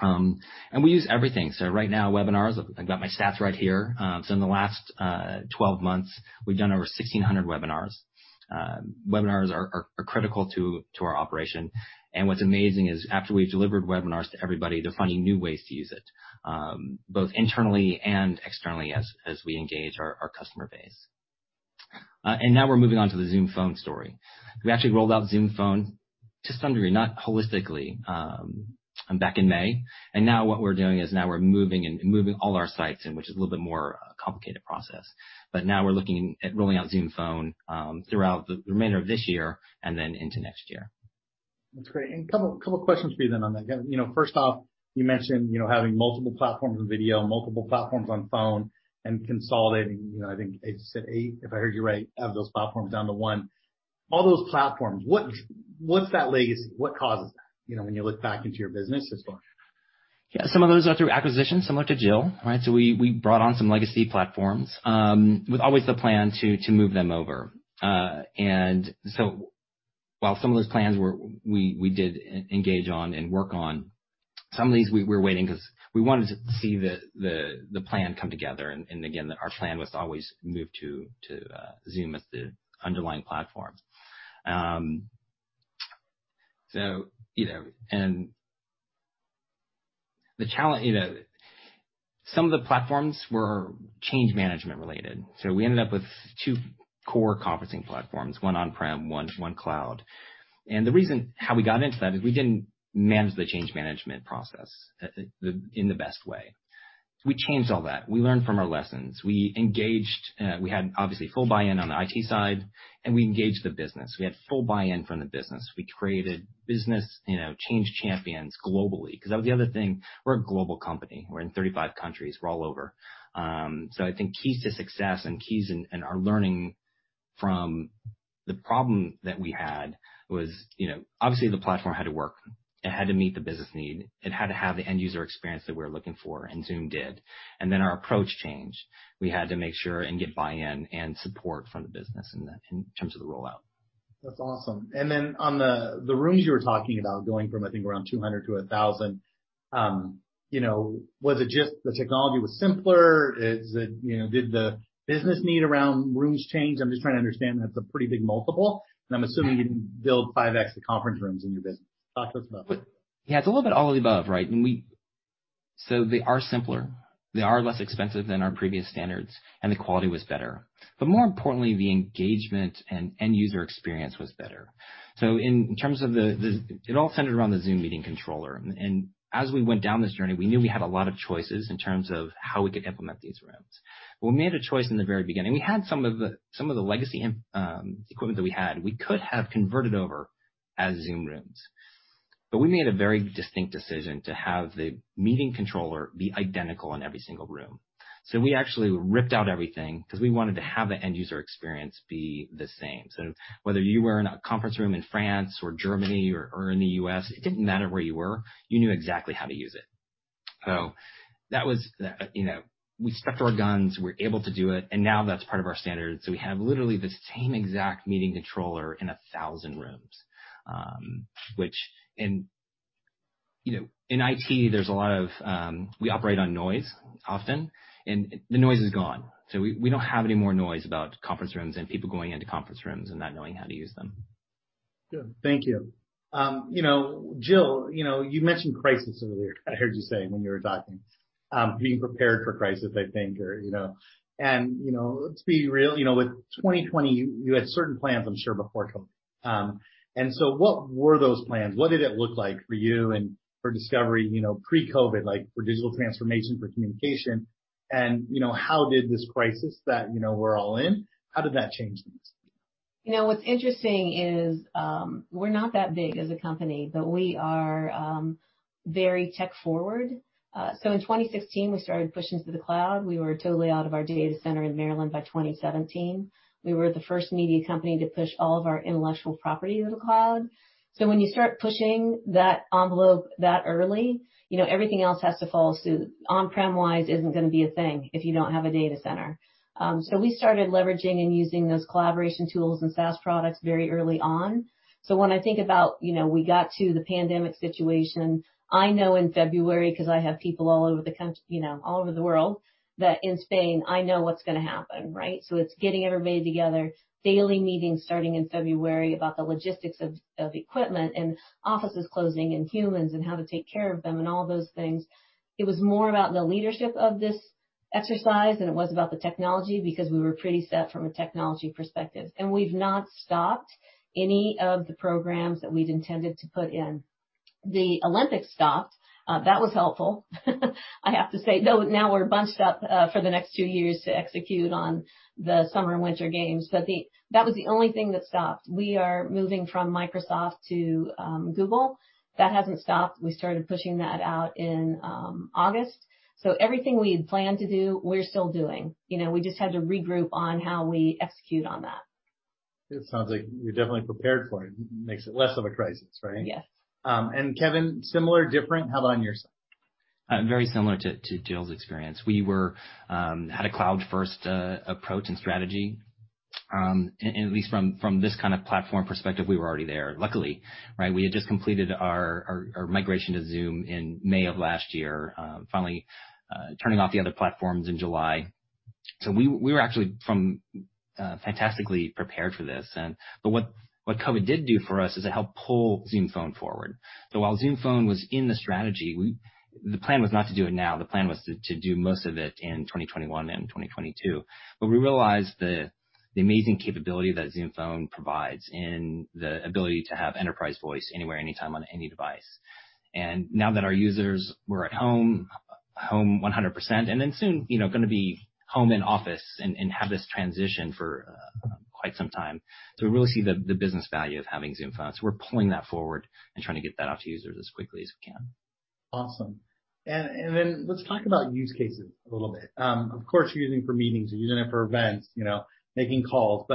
We use everything. Right now, webinars, I've got my stats right here. In the last 12 months, we've done over 1,600 webinars. Webinars are critical to our operation. What's amazing is after we've delivered webinars to everybody, they're finding new ways to use it, both internally and externally as we engage our customer base. Now we're moving on to the Zoom Phone story. We actually rolled out Zoom Phone to some degree, not holistically, back in May. Now what we're doing is now we're moving all our sites in, which is a little bit more complicated process. Now we're looking at rolling out Zoom Phone throughout the remainder of this year and then into next year. That's great. A couple of questions for you then on that. First off, you mentioned having multiple platforms on video, multiple platforms on phone and consolidating, I think you said eight, if I heard you right, of those platforms down to one. All those platforms, what's that legacy? What causes that when you look back into your business, historically? Yeah. Some of those are through acquisitions, similar to Jill, right? We brought on some legacy platforms, with always the plan to move them over. While some of those plans we did engage on and work on, some of these we were waiting because we wanted to see the plan come together, and again, our plan was to always move to Zoom as the underlying platform. You know, and the challenge some of the platforms were change management related. We ended up with two core conferencing platforms, one on-prem, one cloud. The reason how we got into that is we didn't manage the change management process in the best way. We changed all that. We learned from our lessons. We engaged, we had, obviously, full buy-in on the IT side, and we engaged the business. We had full buy-in from the business. We created business change champions globally, because that was the other thing, we're a global company. We're in 35 countries. We're all over. I think keys to success and keys in our learning from the problem that we had was, obviously, the platform had to work. It had to meet the business need. It had to have the end user experience that we were looking for, and Zoom did. Our approach changed. We had to make sure and get buy-in and support from the business in terms of the rollout. That's awesome. On the rooms you were talking about going from, I think around 200 to 1,000. You know, was it just the technology was simpler? Did the business need around rooms change? I'm just trying to understand. That's a pretty big multiple, and I'm assuming you didn't build 5X the conference rooms in your business. Talk to us about that. Yeah. It's a little bit all of the above, right? They are simpler. They are less expensive than our previous standards, and the quality was better. More importantly, the engagement and end user experience was better. In terms of, it all centered around the Zoom Meeting Controller. As we went down this journey, we knew we had a lot of choices in terms of how we could implement these rooms. We made a choice in the very beginning. Some of the legacy equipment that we had, we could have converted over as Zoom Rooms. We made a very distinct decision to have the Meeting Controller be identical in every single room. We actually ripped out everything because we wanted to have the end user experience be the same. Whether you were in a conference room in France or Germany or in the U.S., it didn't matter where you were, you knew exactly how to use it. We stuck to our guns. We were able to do it, and now that's part of our standard. We have literally the same exact Meeting Controller in 1,000 rooms. In IT, there's a lot; we operate on noise often, and the noise is gone. We don't have any more noise about conference rooms and people going into conference rooms and not knowing how to use them. Good. Thank you. Jill, you mentioned crisis earlier. I heard you say when you were talking, being prepared for crisis, I think. Let's be real, with 2020 you had certain plans, I'm sure, before COVID. What were those plans? What did it look like for you and for Discovery, pre-COVID, for digital transformation, for communication, and how did this crisis that we're all in, how did that change things? What's interesting is we're not that big as a company, but we are very tech forward. In 2016, we started pushing to the cloud. We were totally out of our data center in Maryland by 2017. We were the first media company to push all of our intellectual property to the cloud. When you start pushing that envelope that early, everything else has to follow suit. On-prem wise isn't going to be a thing if you don't have a data center. We started leveraging and using those collaboration tools and SaaS products very early on. When I think about, we got to the pandemic situation, I know in February, because I have people all over the world, that in Spain, I know what's going to happen, right? It's getting everybody together, daily meetings starting in February about the logistics of equipment and offices closing, and humans and how to take care of them, and all those things. It was more about the leadership of this exercise than it was about the technology, because we were pretty set from a technology perspective. We've not stopped any of the programs that we'd intended to put in. The Olympics stopped. That was helpful, I have to say, though now we're bunched up for the next two years to execute on the summer and winter games. That was the only thing that stopped. We are moving from Microsoft to Google. That hasn't stopped. We started pushing that out in August. Everything we had planned to do, we're still doing. We just had to regroup on how we execute on that. It sounds like you're definitely prepared for it. Makes it less of a crisis, right? Yes. Kevin, similar, different? How about on your side? Very similar to Jill's experience. We had a cloud-first approach and strategy. At least from this kind of platform perspective, we were already there, luckily. We had just completed our migration to Zoom in May of last year, finally turning off the other platforms in July. We were actually fantastically prepared for this. What COVID did do for us is it helped pull Zoom Phone forward, though while Zoom Phone was in the strategy, the plan was not to do it now. The plan was to do most of it in 2021 and 2022. We realized the amazing capability that Zoom Phone provides and the ability to have enterprise voice anywhere, anytime, on any device. Now that our users were at home 100%, and then soon, going to be home and office and have this transition for quite some time. We really see the business value of having Zoom Phone. We're pulling that forward and trying to get that out to users as quickly as we can. Awesome. Let's talk about use cases a little bit. Of course, you're using it for meetings, you're using it for events, making calls,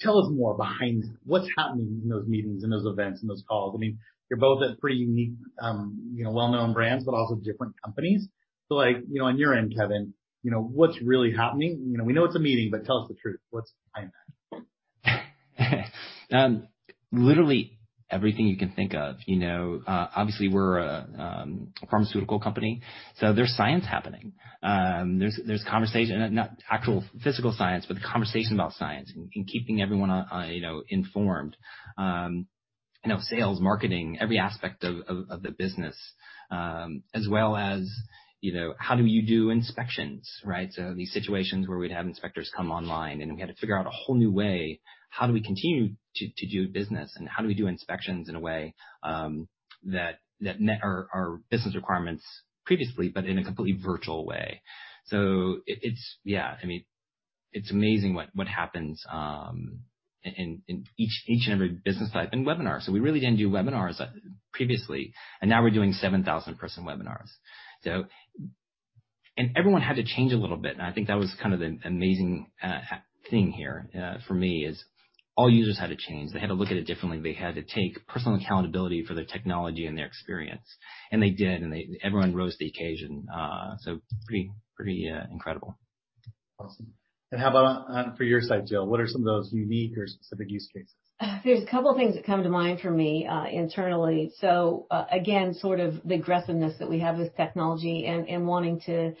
tell us more behind what's happening in those meetings, those events, and those calls. You're both at pretty unique, well-known brands, also different companies. On your end, Kevin, what's really happening? We know it's a meeting, tell us the truth. What's behind that? Literally everything you can think of. Obviously, we're a pharmaceutical company. There's science happening. There's conversation, not actual physical science, but the conversation about science and keeping everyone informed. Sales, marketing, every aspect of the business, as well as how do you do inspections, right? These situations where we'd have inspectors come online, and we had to figure out a whole new way, how do we continue to do business, and how do we do inspections in a way that met our business requirements previously, but in a completely virtual way. It's amazing what happens in each and every business type. Webinars. We really didn't do webinars previously, and now we're doing 7,000-person webinars. Everyone had to change a little bit, and I think that was the amazing thing here for me: all users had to change. They had to look at it differently. They had to take personal accountability for their technology and their experience. They did, and everyone rose to the occasion. Pretty incredible. Awesome. How about for your side, Jill? What are some of those unique or specific use cases? There's a couple of things that come to mind for me internally. Again, sort of the aggressiveness that we have with technology and wanting to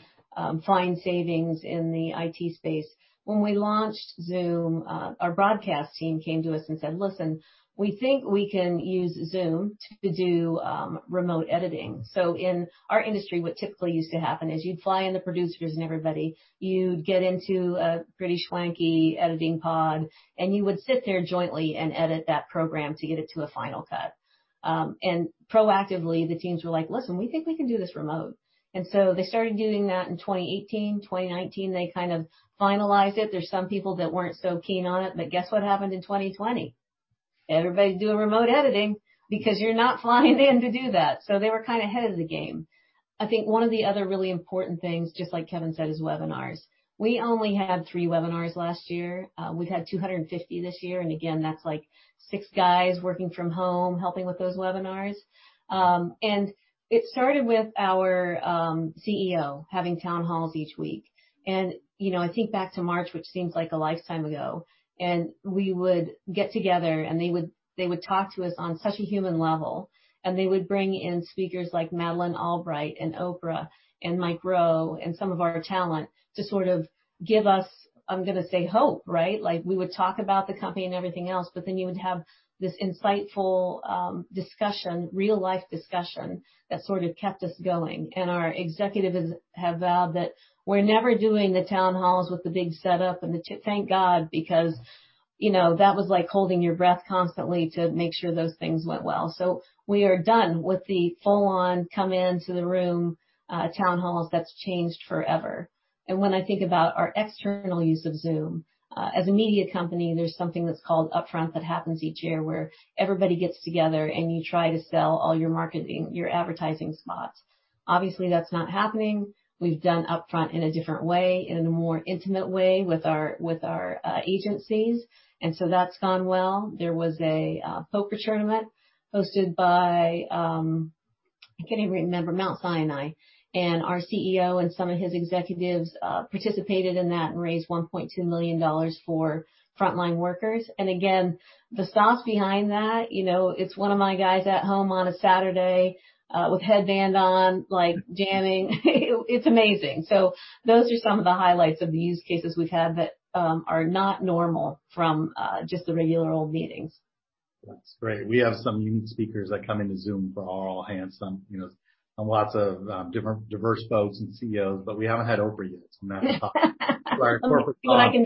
find savings in the IT space. When we launched Zoom, our broadcast team came to us and said, "Listen, we think we can use Zoom to do remote editing." In our industry, what typically used to happen is you'd fly in the producers and everybody, you'd get into a pretty swanky editing pod, and you would sit there jointly and edit that program to get it to a final cut. Proactively, the teams were like, "Listen, we think we can do this remote." They started doing that in 2018. 2019, they kind of finalized it. There's some people that weren't so keen on it, guess what happened in 2020? Everybody's doing remote editing because you're not flying in to do that. They were kind of ahead of the game. I think one of the other really important things, just like Kevin said, is webinars. We only had three webinars last year. We've had 250 this year, and again, that's six guys working from home helping with those webinars. It started with our CEO having town halls each week. I think back to March, which seems like a lifetime ago, and we would get together, and they would talk to us on such a human level, and they would bring in speakers like Madeleine Albright, and Oprah, and Mike Rowe, and some of our talent to sort of give us, I'm gonna say hope, right? We would talk about the company and everything else, but then you would have this insightful discussion, real-life discussion, that sort of kept us going. Our executives have vowed that we're never doing the town halls with the big setup and the, thank God, because that was like holding your breath constantly to make sure those things went well. We are done with the full-on come into the room town halls. That's changed forever. When I think about our external use of Zoom, as a media company, there's something that's called Upfront that happens each year where everybody gets together and you try to sell all your marketing, your advertising spots. Obviously, that's not happening. We've done Upfront in a different way, in a more intimate way with our agencies. That's gone well. There was a poker tournament hosted by, I can't even remember, Mount Sinai, and our CEO and some of his executives participated in that and raised $1.2 million for frontline workers. Again, the sauce behind that, it's one of my guys at home on a Saturday, with a headband on, like jamming. It's amazing. Those are some of the highlights of the use cases we've had that are not normal from just the regular old meetings. That's great. We have some unique speakers that come into Zoom for our all-hands, some lots of diverse folks and CEOs. We haven't had Oprah yet, so I'm gonna have to talk to our corporate folks. Let me see what I can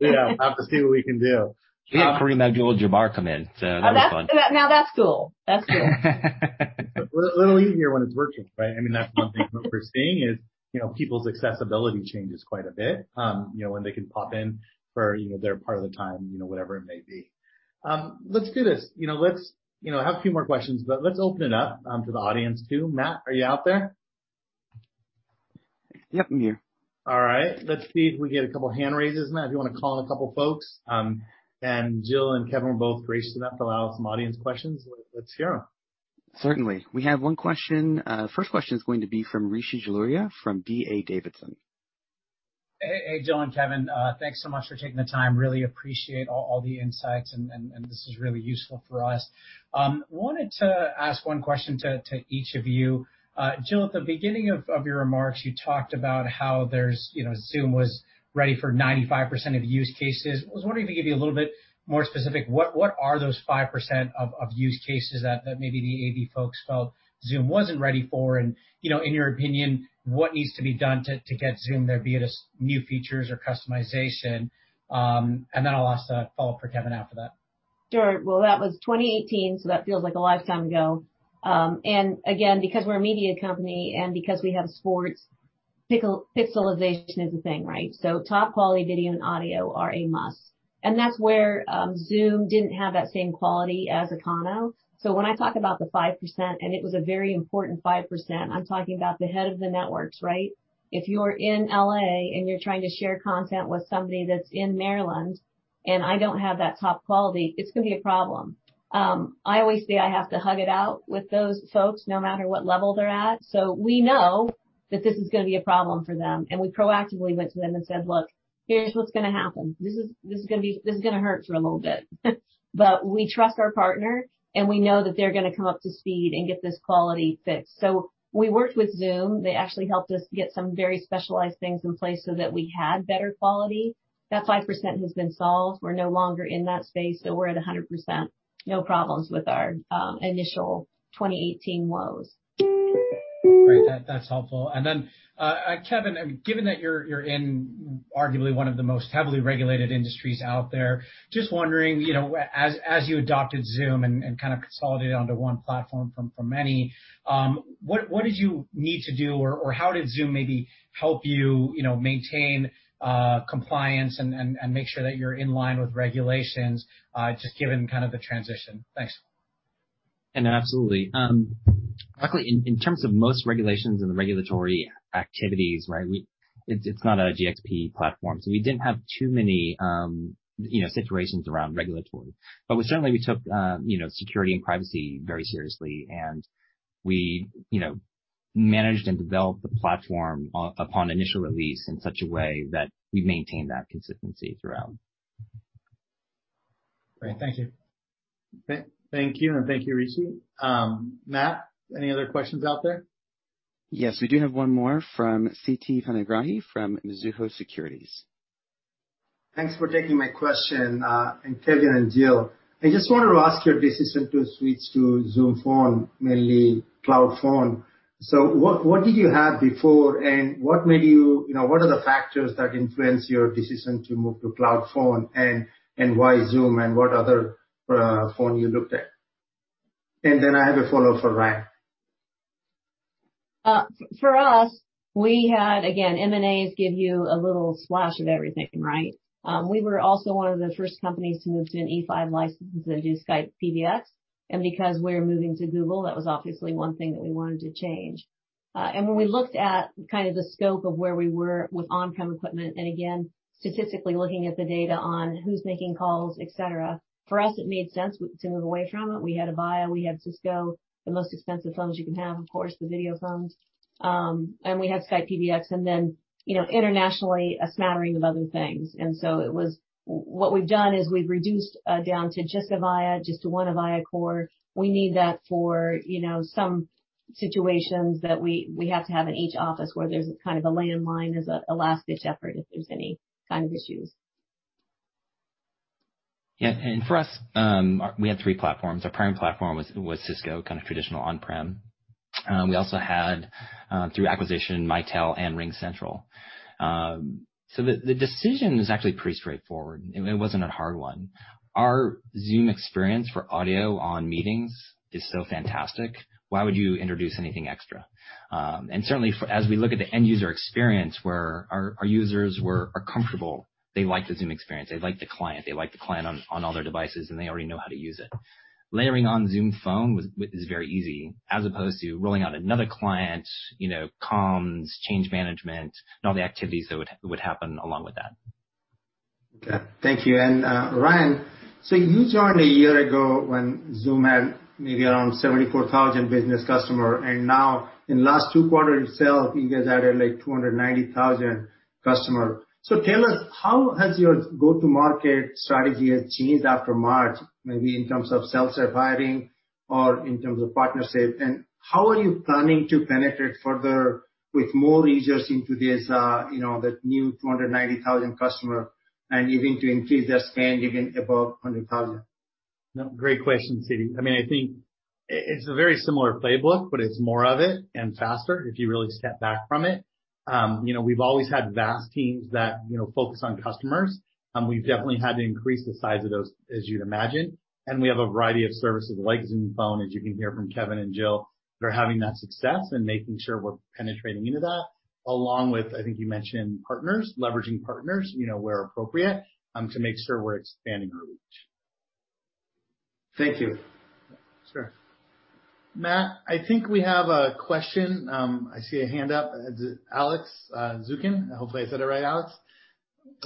do. Yeah, I'll have to see what we can do. We had Kareem Abdul-Jabbar come in, so that was fun. Now that's cool. That's cool. A little easier when it's virtual, right? That's one thing what we're seeing is people's accessibility changes quite a bit when they can pop in for their part of the time, whatever it may be. Let's do this. I have a few more questions, but let's open it up to the audience, too. Matt, are you out there? Yep, I'm here. All right. Let's see if we get a couple hand raises. Matt, if you want to call on a couple folks. Jill and Kevin were both gracious enough to allow some audience questions. Let's hear them. Certainly. We have one question. First question is going to be from Rishi Jaluria from D.A. Davidson. Hey, Jill and Kevin. Thanks so much for taking the time. Really appreciate all the insights. This is really useful for us. Wanted to ask one question to each of you. Jill, at the beginning of your remarks, you talked about how Zoom was ready for 95% of use cases. I was wondering if you could be a little bit more specific, what are those 5% of use cases that maybe the AAV folks felt Zoom wasn't ready for? In your opinion, what needs to be done to get Zoom there, be it new features or customization? Then I'll ask a follow-up for Kevin after that. Sure. Well, that was 2018, so that feels like a lifetime ago. Again, because we're a media company and because we have sports, pixelization is a thing, right? Top-quality video and audio are a must. That's where Zoom didn't have that same quality as Acano. When I talk about the 5%, and it was a very important 5%, I'm talking about the head of the networks, right? If you're in L.A. and you're trying to share content with somebody that's in Maryland, and I don't have that top quality, it's gonna be a problem. I always say I have to hug it out with those folks, no matter what level they're at. We know that this is gonna be a problem for them, and we proactively went to them and said, "Look, here's what's going to happen. This is going to hurt for a little bit." We trust our partner, and we know that they're going to come up to speed and get this quality fixed. We worked with Zoom. They actually helped us get some very specialized things in place so that we had better quality. That 5% has been solved. We're no longer in that space; we're at 100%, no problems with our initial 2018 woes. Great. That's helpful. Kevin, given that you're in arguably one of the most heavily regulated industries out there, just wondering, as you adopted Zoom and consolidated onto one platform from many, what did you need to do, or how did Zoom maybe help you maintain compliance and make sure that you're in line with regulations, just given kind of the transition? Thanks. Absolutely. Luckily, in terms of most regulations and the regulatory activities, it's not a GxP platform. We didn't have too many situations around regulatory. Certainly, we took security and privacy very seriously, and we managed and developed the platform upon initial release in such a way that we've maintained that consistency throughout. Great. Thank you. Thank you, and thank you, Rishi. Matt, any other questions out there? Yes, we do have one more from Siti Panigrahi from Mizuho Securities. Thanks for taking my question, Kevin and Jill. I just wanted to ask your decision to switch to Zoom Phone, mainly cloud phone. What did you have before? What are the factors that influenced your decision to move to cloud phone? Why Zoom and what other phone you looked at? I have a follow-up for Ryan. For us, we had, again, M&As give you a little splash of everything, right? We were also one of the first companies to move to an E5 license that do Skype PBX. Because we're moving to Google, that was obviously one thing that we wanted to change. When we looked at the scope of where we were with on-prem equipment, again, statistically looking at the data on who's making calls, et cetera, for us, it made sense to move away from it. We had Avaya, we had Cisco, the most expensive phones you can have, of course, the video phones. We had Skype PBX, then internationally, a smattering of other things. What we've done is we've reduced down to just Avaya, just to one Avaya Core. We need that for some situations that we have to have in each office where there's a landline as a last-ditch effort if there's any issues. Yeah. For us, we had three platforms. Our prime platform was Cisco, traditional on-prem. We also had, through acquisition, Mitel and RingCentral. The decision was actually pretty straightforward. It wasn't a hard one. Our Zoom experience for audio on meetings is so fantastic. Why would you introduce anything extra? Certainly, as we look at the end user experience, where our users are comfortable, they like the Zoom experience, they like the client, they like the client on all their devices, and they already know how to use it. Layering on Zoom Phone is very easy, as opposed to rolling out another client, comms, change management, and all the activities that would happen along with that. Okay. Thank you. Ryan, you joined a year ago when Zoom had maybe around 74,000 business customers, now in last two quarters itself, you guys added 290,000 customers. Tell us, how has your go-to-market strategy changed after March, maybe in terms of self-surviving or in terms of partnership? How are you planning to penetrate further with more users into this new 290,000 customers, and even to increase that span even above 100,000? No, great question, Siti. I think it's a very similar playbook; it's more of it and faster if you really step back from it. We've always had vast teams that focus on customers. We've definitely had to increase the size of those, as you'd imagine. We have a variety of services like Zoom Phone, as you can hear from Kevin and Jill, that are having that success and making sure we're penetrating into that, along with, I think you mentioned partners, leveraging partners where appropriate to make sure we're expanding our reach. Thank you. Sure. Matt, I think we have a question. I see a hand up. Alex Zukin. Hopefully I said it right, Alex.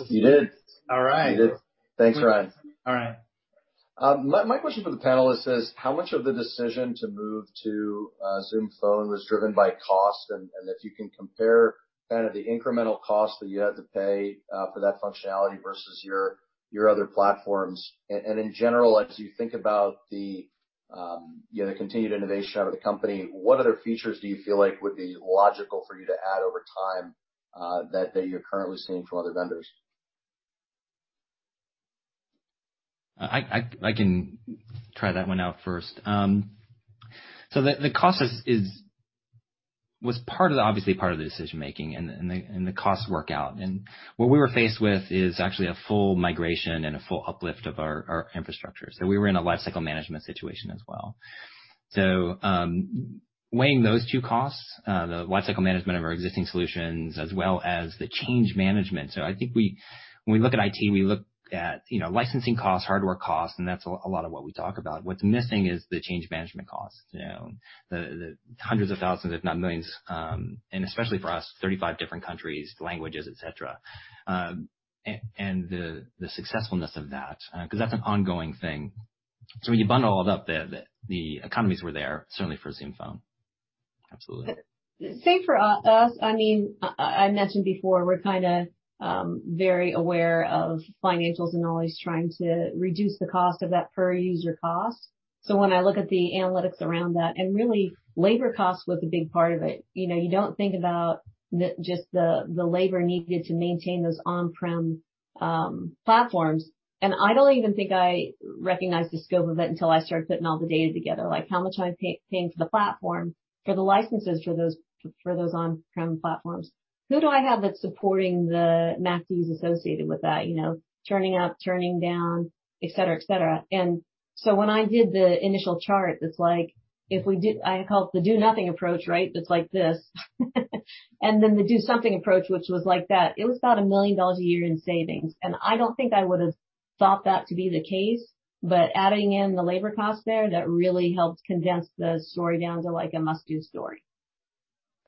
You did. All right. You did. Thanks, Ryan. All right. My question for the panel is this, how much of the decision to move to Zoom Phone was driven by cost, and if you can compare the incremental cost that you had to pay for that functionality versus your other platforms? In general, as you think about the continued innovation out of the company, what other features do you feel like would be logical for you to add over time that you're currently seeing from other vendors? I can try that one out first. The cost was obviously part of the decision-making, and the cost worked out. What we were faced with is actually a full migration and a full uplift of our infrastructure. We were in a lifecycle management situation as well. Weighing those two costs, the lifecycle management of our existing solutions, as well as the change management. I think when we look at IT, we look at licensing costs, hardware costs, and that's a lot of what we talk about. What's missing is the change management costs. The hundreds of thousands, if not millions, and especially for us, 35 different countries, languages, et cetera, and the successfulness of that, because that's an ongoing thing. When you bundle it all up there, the economies were there, certainly for Zoom Phone. Absolutely. Same for us. I mentioned before, we're very aware of financials and always trying to reduce the cost of that per user cost. When I look at the analytics around that and really labor cost was a big part of it. You don't think about just the labor needed to maintain those on-prem platforms. I don't even think I recognized the scope of it until I started putting all the data together, like how much I'm paying for the platform, for the licenses for those on-prem platforms. Who do I have that's supporting the math that's associated with that? Turning up, turning down, et cetera. When I did the initial chart, that's like if we did I call it the do nothing approach, right? That's like this. The do something approach, which was like that, it was about a million dollars a year in savings. I don't think I would've thought that to be the case, adding in the labor cost there, that really helped condense the story down to like a must-do story.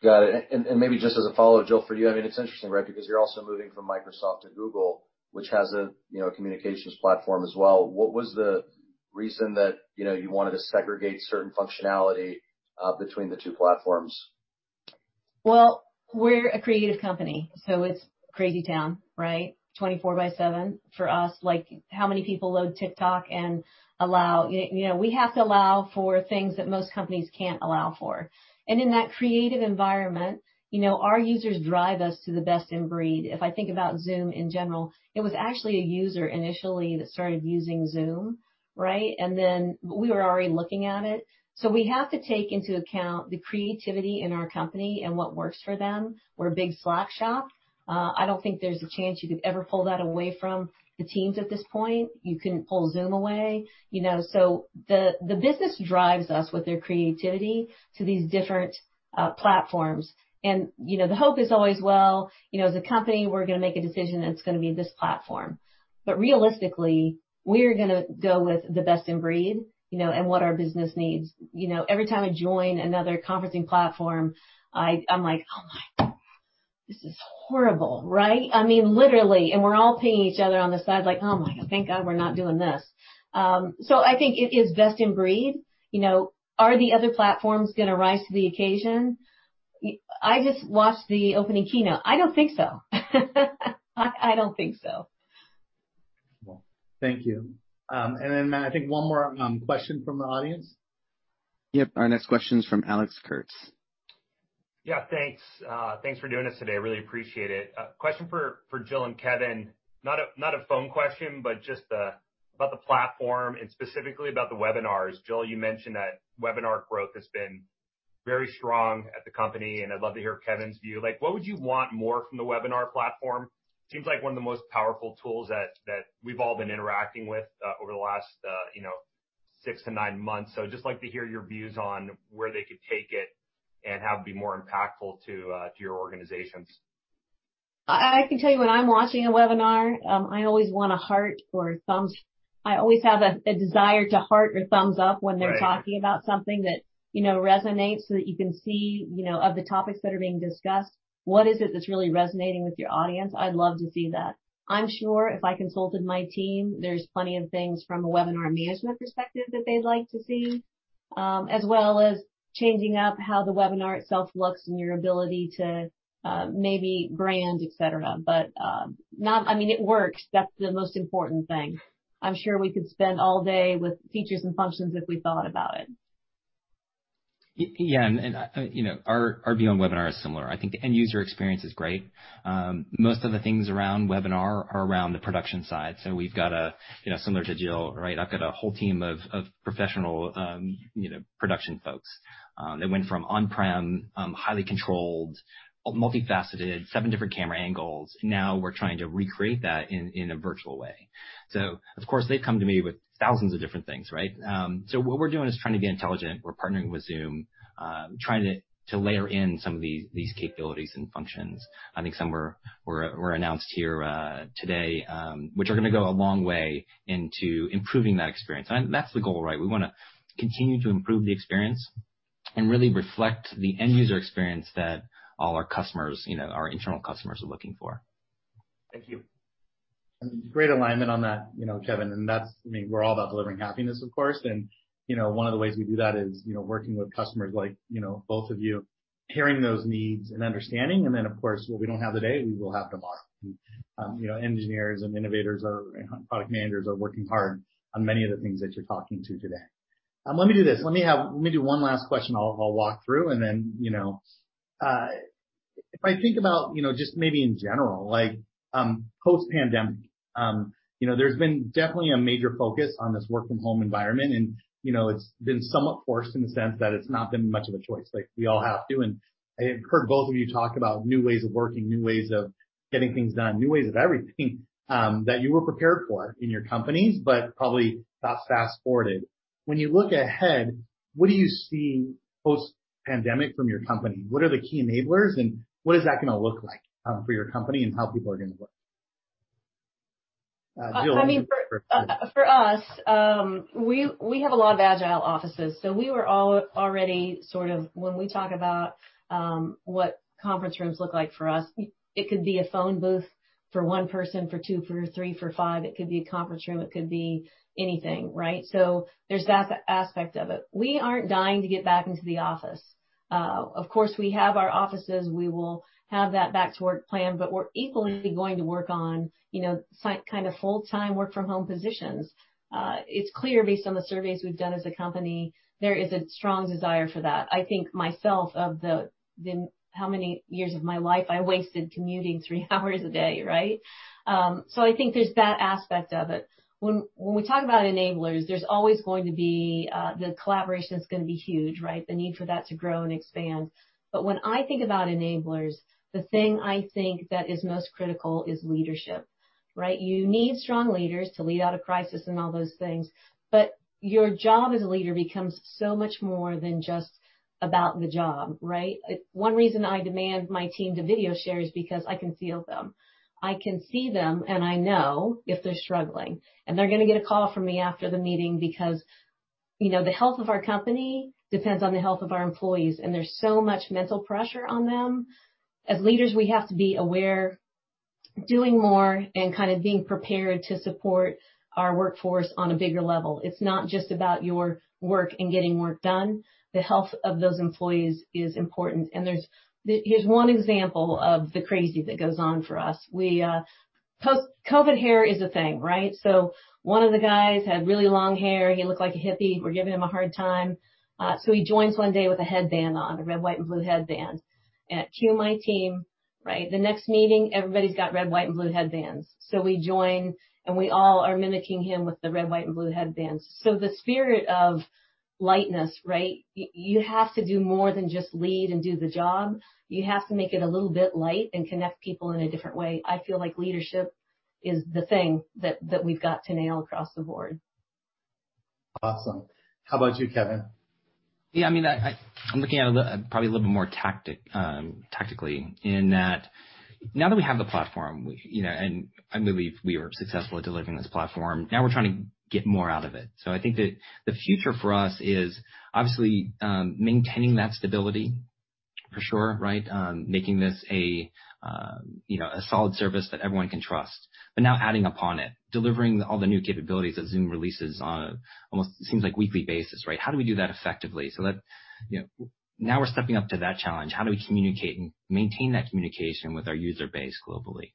Got it. Maybe just as a follow, Jill, for you, it's interesting, right? Because you're also moving from Microsoft to Google, which has a communications platform as well. What was the reason that you wanted to segregate certain functionality between the two platforms? Well, we're a creative company. It's crazy town, right? 24 by seven for us. Like, how many people load TikTok, and we have to allow for things that most companies can't allow for. In that creative environment, our users drive us to the best in breed. If I think about Zoom in general, it was actually a user initially that started using Zoom, right? We were already looking at it. We have to take into account the creativity in our company and what works for them. We're a big Slack shop. I don't think there's a chance you could ever pull that away from the teams at this point. You couldn't pull Zoom away. You know, the business drives us with their creativity to these different platforms. The hope is always, well, as a company, we're going to make a decision, and it's going to be this platform. Realistically, we're gonna go with the best in breed, and what our business needs. Every time I join another conferencing platform, I'm like, "Oh, my God, this is horrible." Right? Literally, and we're all pinging each other on the side, like, "Oh, my God, thank God we're not doing this." I think it is best in breed. Are the other platforms going to rise to the occasion? I just watched the opening keynote. I don't think so. I don't think so. Well, thank you. Then, Matt, I think one more question from the audience. Yep. Our next question is from Alex Kurtz. Yeah, thanks. Thanks for doing this today. Really appreciate it. Question for Jill and Kevin, not a phone question, but just about the platform and specifically about the webinars. Jill, you mentioned that webinar growth has been very strong at the company, and I'd love to hear Kevin's view. What would you want more from the webinar platform? Seems like one of the most powerful tools that we've all been interacting with over the last six to nine months. Just like to hear your views on where they could take it and how to be more impactful to your organizations. I can tell you when I'm watching a webinar, I always have a desire to heart or thumbs up when they're. Right talking about something that resonates so that you can see of the topics that are being discussed, what is it that's really resonating with your audience. I'd love to see that. I'm sure if I consulted my team, there are plenty of things from a webinar management perspective that they'd like to see, as well as changing up how the webinar itself looks and your ability to maybe brand, et cetera. It works, that's the most important thing. I'm sure we could spend all day with features and functions if we thought about it. Yeah, our view on webinar is similar. I think the end user experience is great. Most of the things around webinar are around the production side. Similar to Jill, right? I've got a whole team of professional production folks that went from on-prem, highly controlled, multifaceted, seven different camera angles. Now we're trying to recreate that in a virtual way. Of course, they've come to me with thousands of different things, right? What we're doing is trying to be intelligent. We're partnering with Zoom, trying to layer in some of these capabilities and functions. I think some were announced here today, which are going to go a long way into improving that experience. That's the goal, right? We want to continue to improve the experience and really reflect the end-user experience that all our customers, our internal customers, are looking for. Thank you. Great alignment on that, Kevin. That's, we're all about delivering happiness, of course. One of the ways we do that is working with customers like both of you, hearing those needs and understanding, and then, of course, what we don't have today, we will have tomorrow. Engineers and innovators, or product managers are working hard on many of the things that you're talking to today. Let me do this. Let me do one last question I'll walk through and then, if I think about just maybe in general, like post-pandemic, there's been definitely a major focus on this work-from-home environment, and it's been somewhat forced in the sense that it's not been much of a choice, like we all have to. I heard both of you talk about new ways of working, new ways of getting things done, new ways of everything that you were prepared for in your companies, but probably got fast-forwarded. When you look ahead, what do you see post-pandemic from your company? What are the key enablers, and what is that going to look like for your company, and how people are going to work? I mean, for us, we have a lot of agile offices. We were all already sort of, when we talk about what conference rooms look like for us, it could be a phone booth for one person, for two, for three, for five. It could be a conference room, it could be anything, right? There's that aspect of it. We aren't dying to get back into the office. Of course, we have our offices. We will have that back-to-work plan, but we're equally going to work on site, kind of full-time work from home positions. It's clear based on the surveys we've done as a company, There is a strong desire for that. I think myself of how many years of my life I wasted commuting three hours a day, right? I think there's that aspect of it. When we talk about enablers, there's always going to be the collaboration is going to be huge, right? The need for that to grow and expand. When I think about enablers, the thing I think that is most critical is leadership, right? You need strong leaders to lead out a crisis and all those things, but your job as a leader becomes so much more than just about the job, right? One reason I demand my team to video share is because I can feel them. I can see them, and I know if they're struggling, and they're going to get a call from me after the meeting because the health of our company depends on the health of our employees, and there's so much mental pressure on them. As leaders, we have to be aware, doing more, and kind of being prepared to support our workforce on a bigger level. It's not just about your work and getting work done. The health of those employees is important. Here's one example of the crazy that goes on for us. COVID hair is a thing, right? One of the guys had really long hair. He looked like a hippie. We're giving him a hard time. He joins one day with a headband on, a red, white, and blue headband. Cue my team, right? The next meeting, everybody's got red, white, and blue headbands. We join, and we all are mimicking him with the red, white, and blue headbands. The spirit of lightness, right? You have to do more than just lead and do the job. You have to make it a little bit light and connect people in a different way. I feel like leadership is the thing that we've got to nail across the board. Awesome. How about you, Kevin? Yeah, I'm looking at it probably a little bit more tactically in that. Now that we have the platform and I believe we were successful at delivering this platform. We're trying to get more out of it. I think that the future for us is, obviously, maintaining that stability for sure, right? Making this a solid service that everyone can trust. Adding upon it, delivering all the new capabilities that Zoom releases on almost seems like weekly basis, right? How do we do that effectively? We're stepping up to that challenge. How do we communicate and maintain that communication with our user base globally?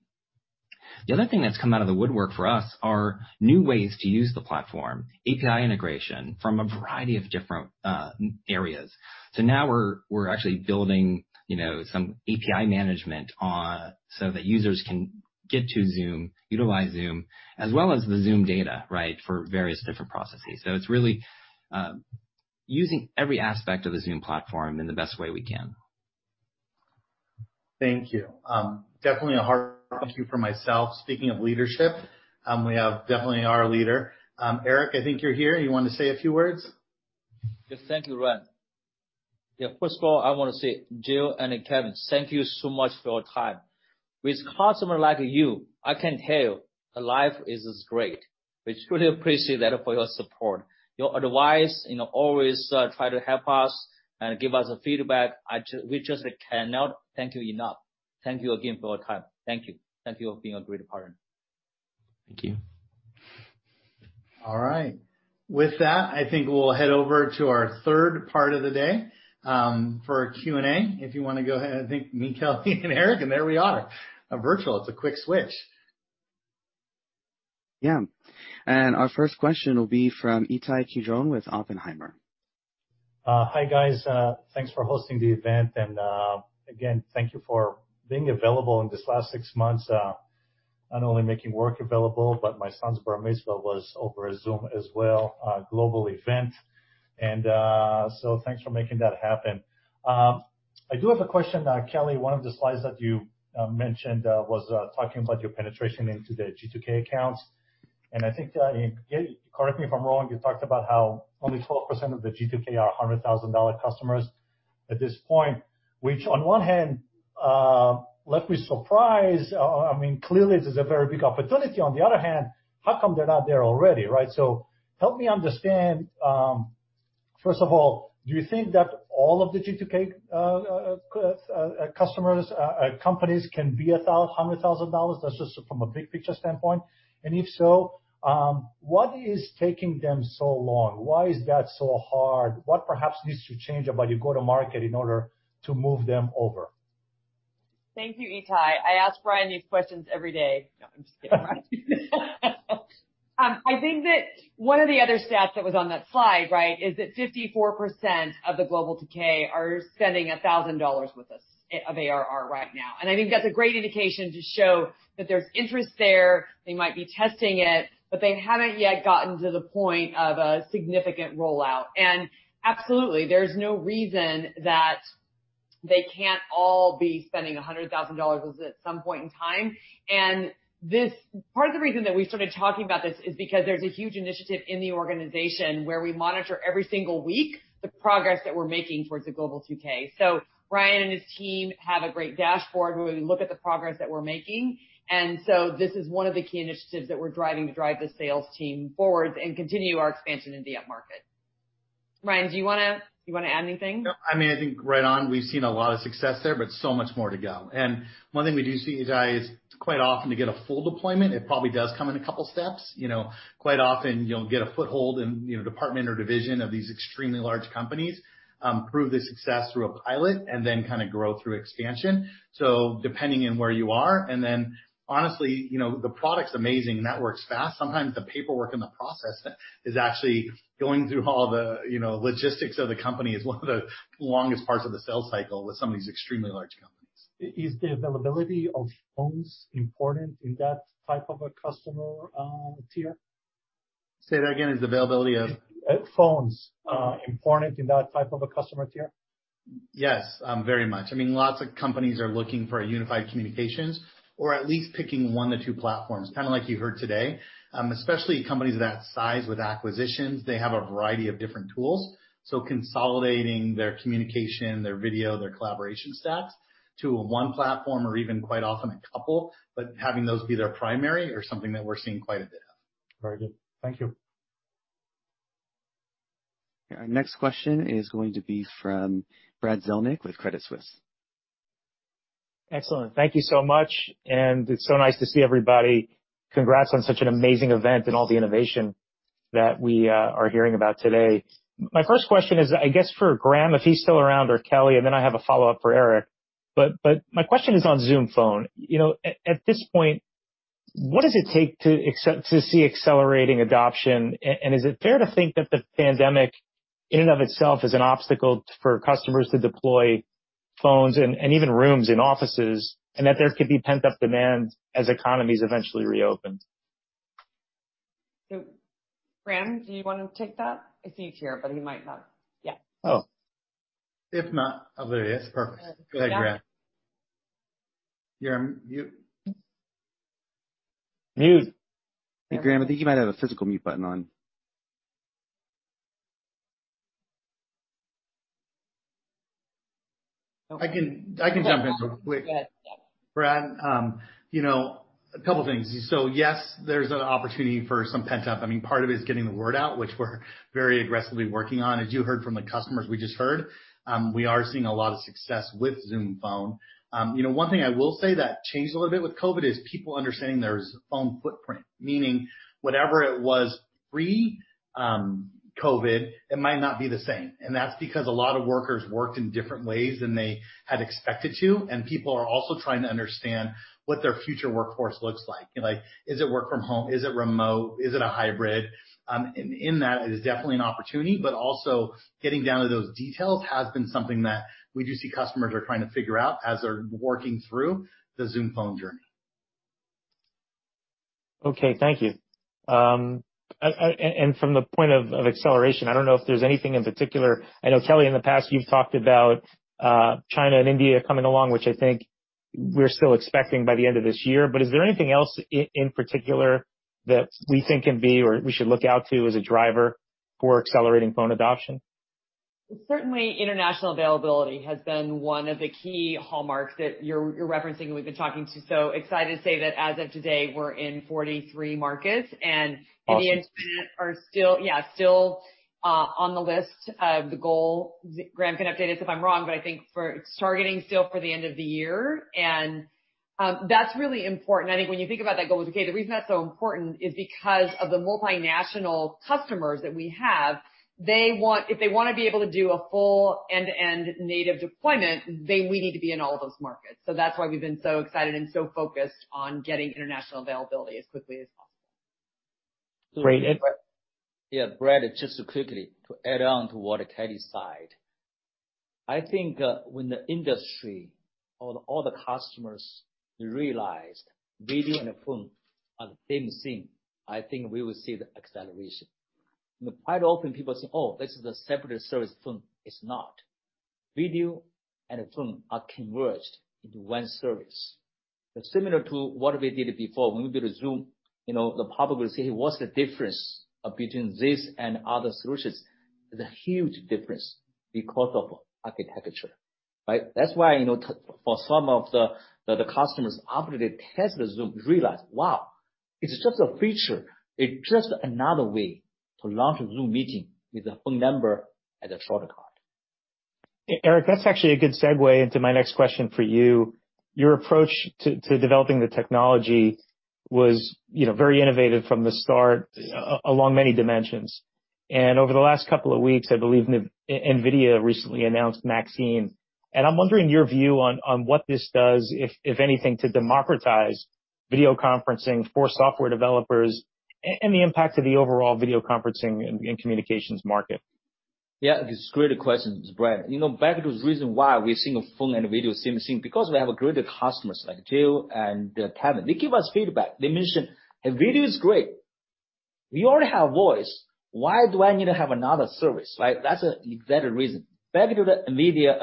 The other thing that's come out of the woodwork for us are new ways to use the platform, API integration from a variety of different areas. Now we're actually building some API management so that users can get to Zoom, utilize Zoom, as well as the Zoom data, right, for various different processes. It's really using every aspect of the Zoom platform in the best way we can. Thank you. Definitely a hard question for myself. Speaking of leadership, we have definitely our leader. Eric, I think you're here. You want to say a few words? Thank you, Ryan. First of all, I want to say, Jill and Kevin, thank you so much for your time. With customers like you, I can tell life is great. We truly appreciate that for your support. Your advice, always try to help us and give us feedback. We just cannot thank you enough. Thank you again for your time. Thank you. Thank you for being a great partner. Thank you. All right. With that, I think we'll head over to our third part of the day, for Q&A. If you want to go ahead, I think me, Kelly, and Eric, and there we are. Virtual. It's a quick switch. Yeah. Our first question will be from Ittai Kidron with Oppenheimer. Hi, guys. Thanks for hosting the event. Again, thank you for being available in this last six months, not only making work available, but my son's Bar Mitzvah was over Zoom as well, a global event. Thanks for making that happen. I do have a question. Kelly, one of the slides that you mentioned was talking about your penetration into the G2K accounts. I think, correct me if I'm wrong, you talked about how only 12% of the G2K are $100,000 customers at this point, which on one hand left me surprised. Clearly, this is a very big opportunity. On the other hand, how come they're not there already, right? Help me understand, first of all, do you think that all of the G2K customers, companies can be $100,000? That's just from a big picture standpoint. If so, what is taking them so long? Why is that so hard? What perhaps needs to change about your go-to-market in order to move them over? Thank you, Ittai. I ask Ryan these questions every day. No, I'm just kidding, Ryan. I think that one of the other stats that was on that slide, right, is that 54% of the Global 2K are spending $1,000 with us of ARR right now. I think that's a great indication to show that there's interest there. They might be testing it, but they haven't yet gotten to the point of a significant rollout. Absolutely, there's no reason that they can't all be spending $100,000 with us at some point in time. Part of the reason that we started talking about this is because there's a huge initiative in the organization where we monitor every single week the progress that we're making towards the Global 2K. Ryan and his team have a great dashboard where we look at the progress that we're making. This is one of the key initiatives that we're driving to drive the sales team forward and continue our expansion in the upmarket. Ryan, do you want to add anything? No. I think right on, we've seen a lot of success there, but so much more to go. One thing we do see, guys, quite often to get a full deployment, it probably does come in a couple steps. Quite often you'll get a foothold in a department or division of these extremely large companies, prove the success through a pilot, and then grow through expansion. Depending on where you are, and then honestly, the product's amazing. Network's fast. Sometimes the paperwork and the process is actually going through all the logistics of the company is one of the longest parts of the sales cycle with some of these extremely large companies. Is the availability of phones important in that type of a customer tier? Say that again. Is the availability of? Phones important in that type of a customer tier? Yes. Very much. Lots of companies are looking for a unified communications or at least picking one to two platforms, kind of like you heard today. Especially companies that size with acquisitions, they have a variety of different tools. Consolidating their communication, their video, their collaboration stats to one platform or even quite often a couple, but having those be their primary is something that we're seeing quite a bit of. Very good. Thank you. Our next question is going to be from Brad Zelnick with Credit Suisse. Excellent. Thank you so much, and it's so nice to see everybody. Congrats on such an amazing event and all the innovation that we are hearing about today. My first question is, I guess for Graeme, if he's still around, or Kelly, and then I have a follow-up for Eric. My question is on Zoom Phone. At this point, what does it take to see accelerating adoption? Is it fair to think that the pandemic in and of itself is an obstacle for customers to deploy phones and even rooms in offices, and that there could be pent-up demand as economies eventually reopen? Graeme, do you want to take that? I see you here, but he might not. Yeah. Oh. If not, I'll do it. It's perfect. Go ahead, Graeme. You're on mute. Hey, Graeme, I think you might have a physical mute button on. I can jump in real quick. Go ahead. Brad, a couple things. Yes, there's an opportunity for some pent-up. Part of it is getting the word out, which we're very aggressively working on. As you heard from the customers we just heard, we are seeing a lot of success with Zoom Phone. One thing I will say that changed a little bit with COVID is people understanding there's a phone footprint. Meaning whatever it was pre-COVID, it might not be the same, and that's because a lot of workers worked in different ways than they had expected to, and people are also trying to understand what their future workforce looks like. Is it work from home? Is it remote? Is it a hybrid? It is definitely an opportunity, but also getting down to those details has been something that we do see customers are trying to figure out as they're working through the Zoom Phone journey. Okay. Thank you. From the point of acceleration, I don't know if there's anything in particular. I know, Kelly, in the past you've talked about China and India coming along, which I think we're still expecting by the end of this year. Is there anything else in particular that we think can be, or we should look out to as a driver for accelerating phone adoption? Certainly, international availability has been one of the key hallmarks that you're referencing, and we've been talking to. Excited to say that as of today, we're in 43 markets. Awesome India and China are still on the list of the goal. Graeme can update us if I'm wrong, but I think for targeting still for the end of the year. That's really important. I think when you think about that goal, okay, the reason that's so important is because of the multinational customers that we have. If they want to be able to do a full end-to-end native deployment, we need to be in all those markets. That's why we've been so excited and so focused on getting international availability as quickly as possible. Great. Yeah, Brad, just quickly to add on to what Kelly said. I think when the industry or all the customers realized video and a phone are the same thing, I think we will see the acceleration. Quite often people say, "Oh, this is a separate service phone." It's not. Video and a phone are converged into one service. Similar to what we did before when we built Zoom. The public will say, "What's the difference between this and other solutions?" There's a huge difference because of architecture, right? That's why for some of the customers, after they test the Zoom, realize, wow, it's just a feature. It's just another way to launch a Zoom meeting with a phone number as a shortcut. Eric, that's actually a good segue into my next question for you. Your approach to developing the technology was very innovative from the start along many dimensions. Over the last couple of weeks, I believe NVIDIA recently announced Maxine, and I'm wondering your view on what this does, if anything, to democratize video conferencing for software developers and the impact of the overall video conferencing and communications market. Yeah, it's a great question, Brad. Back to the reason why we're seeing phone and video same thing, because we have great customers like Jill and Kevin. They give us feedback. They mention, "Hey, video's great. We already have Voice. Why do I need to have another service?" Right? That's the better reason. Back to the NVIDIA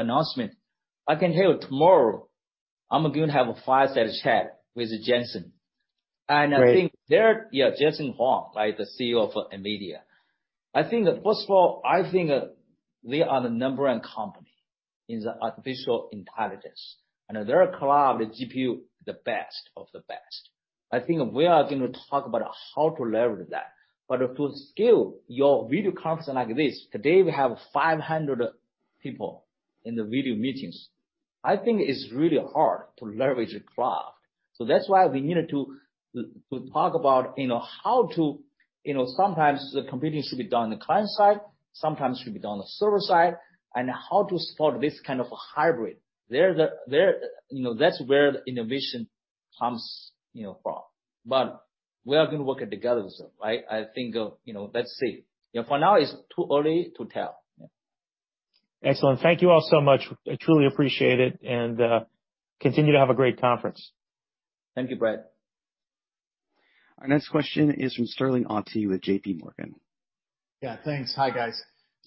announcement, I can tell you tomorrow I'm going to have a fireside chat with Jensen. Great. I think they're, yeah, Jensen Huang, the CEO of NVIDIA. I think first of all, I think they are the number one company in the artificial intelligence. Their cloud GPU is the best of the best. I think we are going to talk about how to leverage that. To scale your video conference like this, today, we have 500 people in the video meetings. I think it's really hard to leverage a cloud. That's why we needed to talk about how sometimes the computing should be done on the client side, sometimes should be done on the server side, and how to support this kind of a hybrid. That's where the innovation comes from. We are going to work together. I think, let's see. For now, it's too early to tell. Yeah. Excellent. Thank you all so much. I truly appreciate it. Continue to have a great conference. Thank you, Brad. Our next question is from Sterling Auty with JPMorgan. Yeah, thanks. Hi, guys.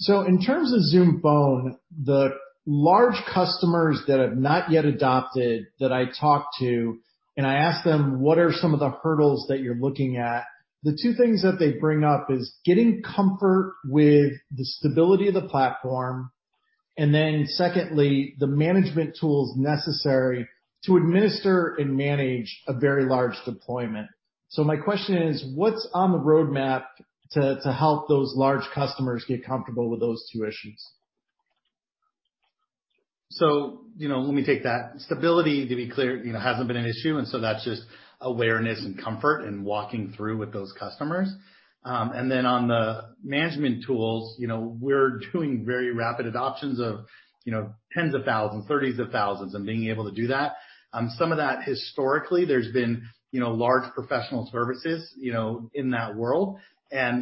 In terms of Zoom Phone, the large customers that have not yet adopted that I talk to, and I ask them, "What are some of the hurdles that you're looking at?" The two things that they bring up is getting comfort with the stability of the platform, and then secondly, the management tools necessary to administer and manage a very large deployment. My question is, what's on the roadmap to help those large customers get comfortable with those two issues? Let me take that. Stability, to be clear, hasn't been an issue, that's just awareness and comfort and walking through with those customers. On the management tools, we're doing very rapid adoptions of 10s of thousands, 30s of thousands, and being able to do that. Some of that, historically, there's been large professional services in that world.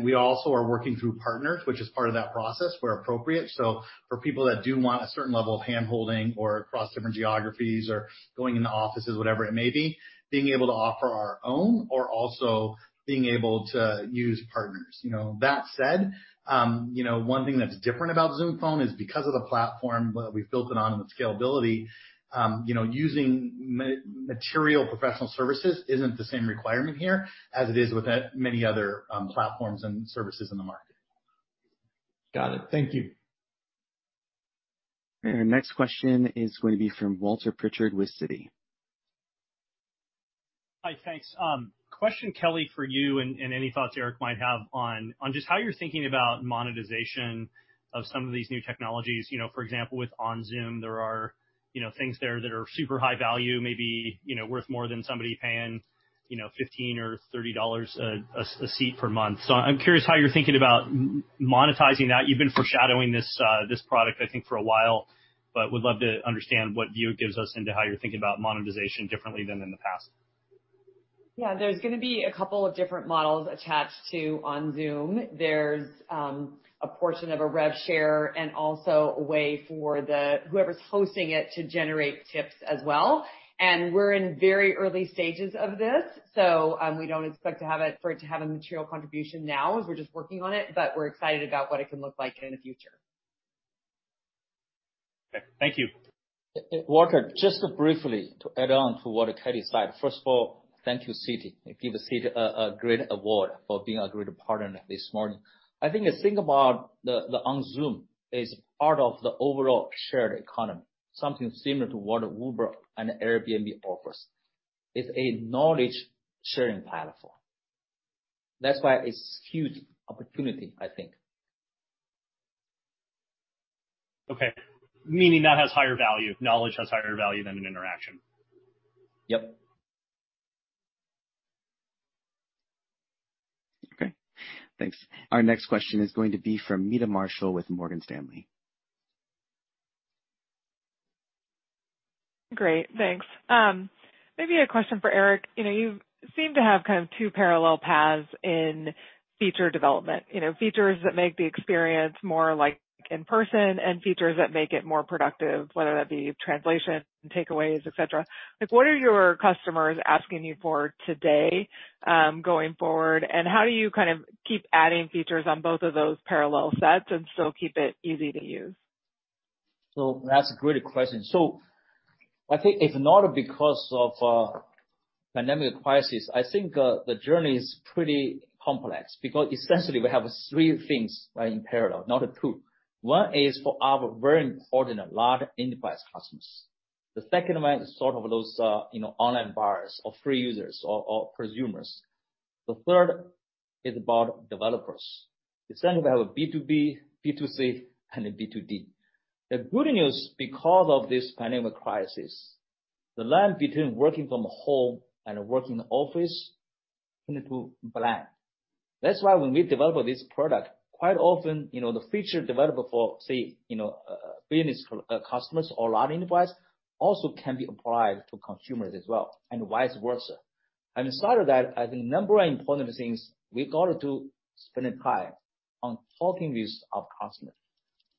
We also are working through partners, which is part of that process, where appropriate. For people that do want a certain level of hand-holding or across different geographies or going into offices, whatever it may be, being able to offer our own or also being able to use partners. That said, one thing that's different about Zoom Phone is because of the platform that we've built it on with scalability, using material professional services isn't the same requirement here as it is with many other platforms and services in the market. Got it. Thank you. Our next question is going to be from Walter Pritchard with Citi. Hi, thanks. Question, Kelly, for you and any thoughts Eric might have on just how you're thinking about monetization of some of these new technologies. For example, with OnZoom, there are things there that are super high value, maybe worth more than somebody paying $15 or $30 a seat per month. I'm curious how you're thinking about monetizing that. You've been foreshadowing this product, I think, for a while, would love to understand what view it gives us into how you're thinking about monetization differently than in the past. Yeah, there's going to be a couple of different models attached to OnZoom. There's a portion of a rev share and also a way for whoever's hosting it to generate tips as well. We're in very early stages of this, so we don't expect to have it for a material contribution now as we're just working on it, but we're excited about what it can look like in the future. Okay. Thank you. Walter, just briefly to add on to what Kelly said. First of all, thank you, Citi, and give Citi a great award for being a great partner this morning. I think, the thing about the OnZoom is part of the overall shared economy, something similar to what Uber and Airbnb offers. It's a knowledge-sharing platform. That's why it's huge opportunity, I think. Okay. Meaning that has higher value, knowledge has higher value than an interaction? Yep. Okay. Thanks. Our next question is going to be from Meta Marshall with Morgan Stanley. Great. Thanks. Maybe a question for Eric. You seem to have two parallel paths in feature development. Features that make the experience more like in-person and features that make it more productive, whether that be translation, takeaways, et cetera. What are your customers asking you for today, going forward, and how do you keep adding features on both of those parallel sets and still keep it easy to use? That's a great question. I think if not because of pandemic crisis, the journey is pretty complex because essentially we have three things in parallel, not two. One is for our very important large enterprise customers. The second one is sort of those online buyers, or free users, or prosumers. The third is about developers. Essentially, we have a B2B, B2C, and a B2D. The good news, because of this pandemic crisis, the line between working from home and working in the office tended to blend. That's why when we develop this product, quite often, the feature developed for, say, business customers or large enterprise also can be applied to consumers as well and vice versa. Aside of that, I think number of important things, we got to spend time on talking with our customers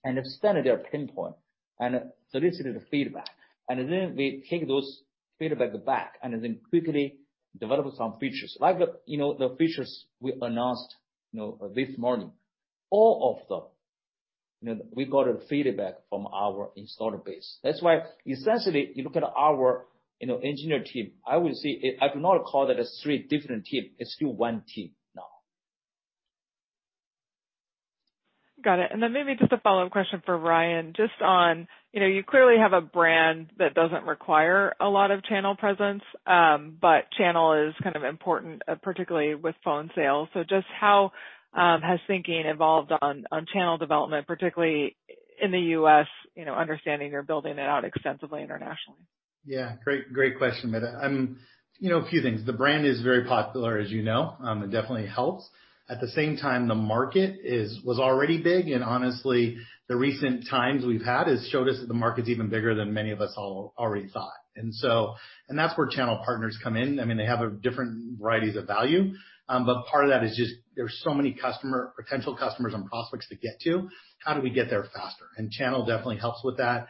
and understand their pain point and solicited feedback. We take those feedback back and then quickly develop some features, like the features we announced this morning. All of them, we got feedback from our installed base. That's why, essentially, you look at our engineering team, I cannot call that as three different teams. It's still one team now. Got it. Maybe just a follow-up question for Ryan. You clearly have a brand that doesn't require a lot of channel presence, but channel is kind of important, particularly with phone sales. Just how has thinking evolved on channel development, particularly in the U.S., understanding you're building it out extensively internationally? Yeah. Great question, Meta. A few things. The brand is very popular, as you know. It definitely helps. At the same time, the market was already big, and honestly, the recent times we've had has showed us that the market's even bigger than many of us already thought. That's where channel partners come in. They have different varieties of value. Part of that is just there's so many potential customers and prospects to get to, how do we get there faster? Channel definitely helps with that.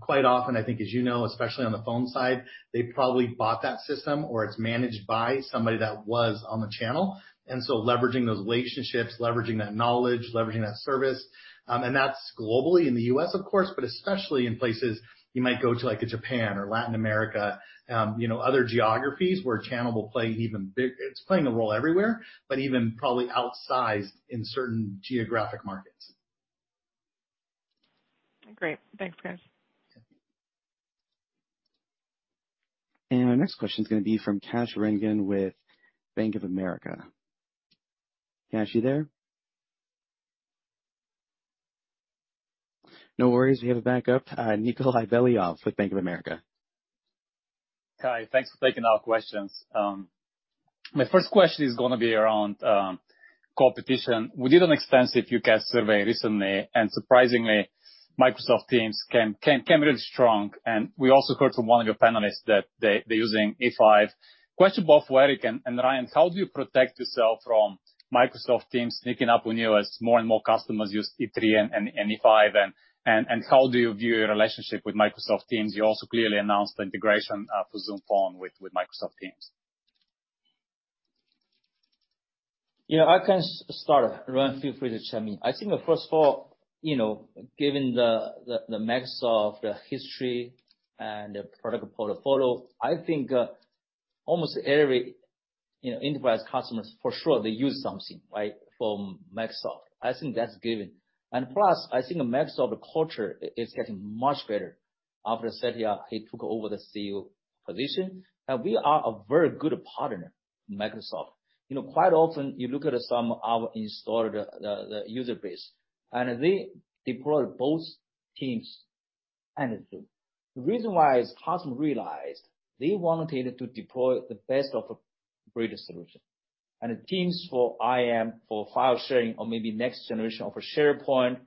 Quite often, I think as you know, especially on the phone side, they probably bought that system, or it's managed by somebody that was on the channel. Leveraging those relationships, leveraging that knowledge, leveraging that service, and that's globally in the U.S., of course, but especially in places you might go to, like a Japan or Latin America, other geographies where channel will play even. It's playing a role everywhere, but even probably outsized in certain geographic markets. Great. Thanks, guys. Our next question is going to be from Kash Rangan with Bank of America. Kash, you there? No worries. We have a backup. Nikolay Beliov with Bank of America. Hi. Thanks for taking our questions. My first question is going to be around competition. We did an extensive UCaaS survey recently, and surprisingly, Microsoft Teams came really strong, and we also heard from one of your panelists that they're using E5. Question both for Eric and Ryan, how do you protect yourself from Microsoft Teams sneaking up on you as more and more customers use E3 and E5, and how do you view your relationship with Microsoft Teams? You also clearly announced the integration for Zoom Phone with Microsoft Teams. I can start. Ryan, feel free to chime in. I think first of all, given the Microsoft history and the product portfolio, I think almost every enterprise customers for sure they use something from Microsoft. I think that's given. Plus, I think Microsoft culture is getting much better after Satya, he took over the CEO position. We are a very good partner with Microsoft. Quite often you look at some of our installed user base, and they deploy both Teams and Zoom. The reason why is customers realized they wanted to deploy the best of breed solution and Teams for IM, for file sharing or maybe next generation of SharePoint,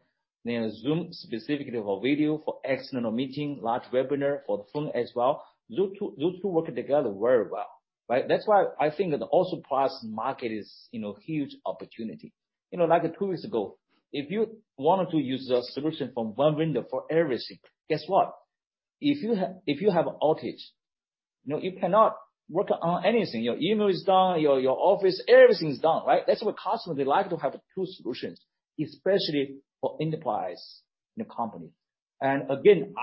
then Zoom specifically for video, for external meeting, large webinar, for the phone as well. Those two work together very well. That's why I think that also plus market is huge opportunity. Two years ago, if you wanted to use a solution from one vendor for everything, guess what? If you have outage, you cannot work on anything. Your email is down, your office, everything is down. That's why customers they like to have two solutions, especially for enterprise in a company. Again,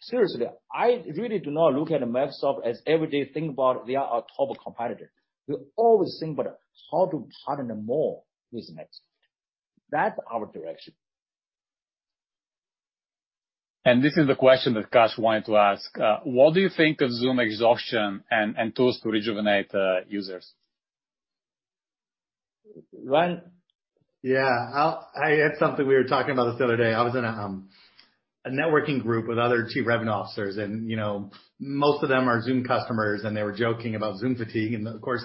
seriously, I really do not look at Microsoft as everyday thing about they are our top competitor. We always think about how to partner more with Microsoft. That's our direction. This is the question that Kash wanted to ask. What do you think of Zoom exhaustion and tools to rejuvenate users? Ryan? Yeah. It's something we were talking about this the other day. I was in a networking group with other chief revenue officers, and most of them are Zoom customers, and they were joking about Zoom fatigue. Of course,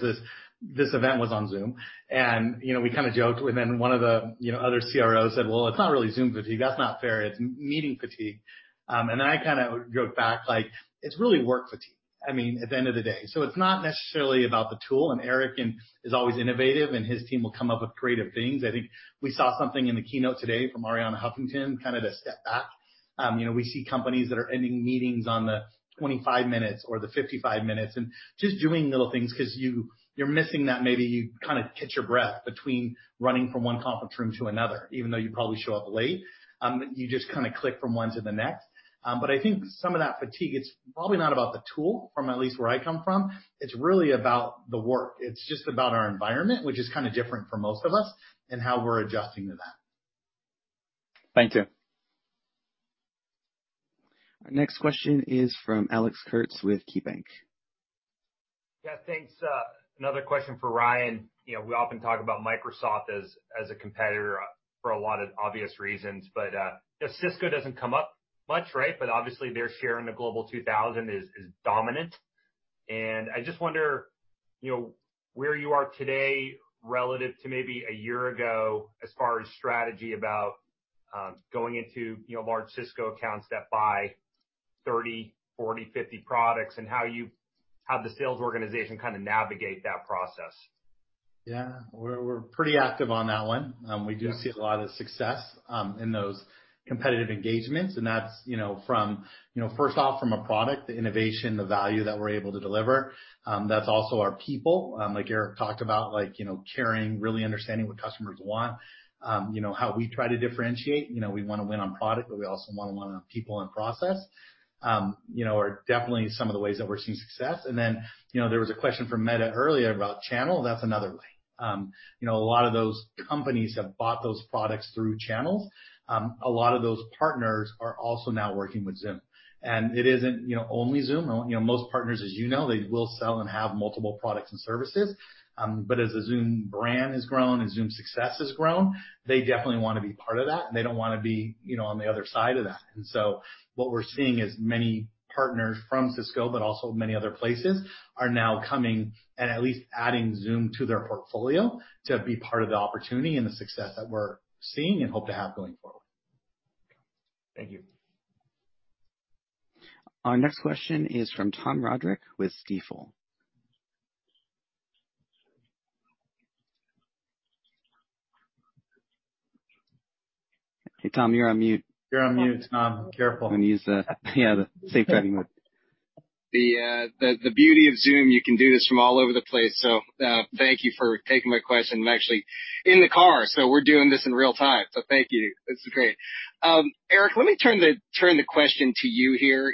this event was on Zoom, and we kind of joked, and then one of the other CROs said, "Well, it's not really Zoom fatigue. That's not fair. It's meeting fatigue." I kind of joked back, like, "It's really work fatigue at the end of the day." It's not necessarily about the tool, and Eric is always innovative, and his team will come up with creative things. I think we saw something in the keynote today from Arianna Huffington, kind of to step back. We see companies that are ending meetings on the 25 minutes or the 55 minutes and just doing little things because you're missing that maybe you kind of catch your breath between running from one conference room to another, even though you probably show up late. You just kind of click from one to the next. I think some of that fatigue, it's probably not about the tool from at least where I come from. It's really about the work. It's just about our environment, which is kind of different for most of us, and how we're adjusting to that. Thank you. Our next question is from Alex Kurtz with KeyBanc. Yeah, thanks. Another question for Ryan. We often talk about Microsoft as a competitor for a lot of obvious reasons. Cisco doesn't come up much, right? Obviously, their share in the Global 2000 is dominant. I just wonder where you are today relative to maybe a year ago as far as strategy about going into large Cisco accounts that buy 30, 40, 50 products and how the sales organization kind of navigate that process. Yeah, we're pretty active on that one. We do see a lot of success in those competitive engagements, and that's first off, from a product, the innovation, the value that we're able to deliver. That's also our people, like Eric talked about, caring, really understanding what customers want. How we try to differentiate. We want to win on product, but we also want to win on people and process, are definitely some of the ways that we're seeing success. Then, there was a question from Meta earlier about channel. That's another way. A lot of those companies have bought those products through channels. A lot of those partners are also now working with Zoom. It isn't only Zoom. Most partners, as you know, they will sell and have multiple products and services. As the Zoom brand has grown and Zoom's success has grown, they definitely want to be part of that, and they don't want to be on the other side of that. What we're seeing is many partners from Cisco, but also many other places, are now coming and at least adding Zoom to their portfolio to be part of the opportunity and the success that we're seeing and hope to have going forward. Thank you. Our next question is from Tom Roderick with Stifel. Hey, Tom, you're on mute. You're on mute, Tom. Careful. I'm going to use the safe driving one. The beauty of Zoom, you can do this from all over the place. Thank you for taking my question. I'm actually in the car, we're doing this in real time. Thank you. This is great. Eric, let me turn the question to you here.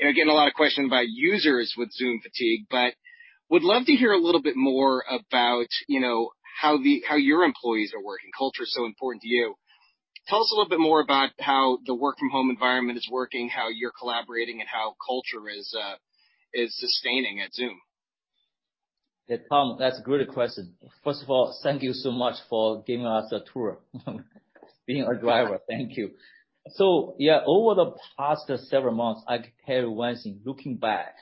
Again, a lot of questions about users with Zoom fatigue, would love to hear a little bit more about how your employees are working? Culture is so important to you. Tell us a little bit more about how the work from home environment is working, how you're collaborating, and how culture is sustaining at Zoom? Tom, that's a good question. First of all, thank you so much for giving us a tour, being our driver. Thank you. Over the past several months, I can tell you one thing. Looking back,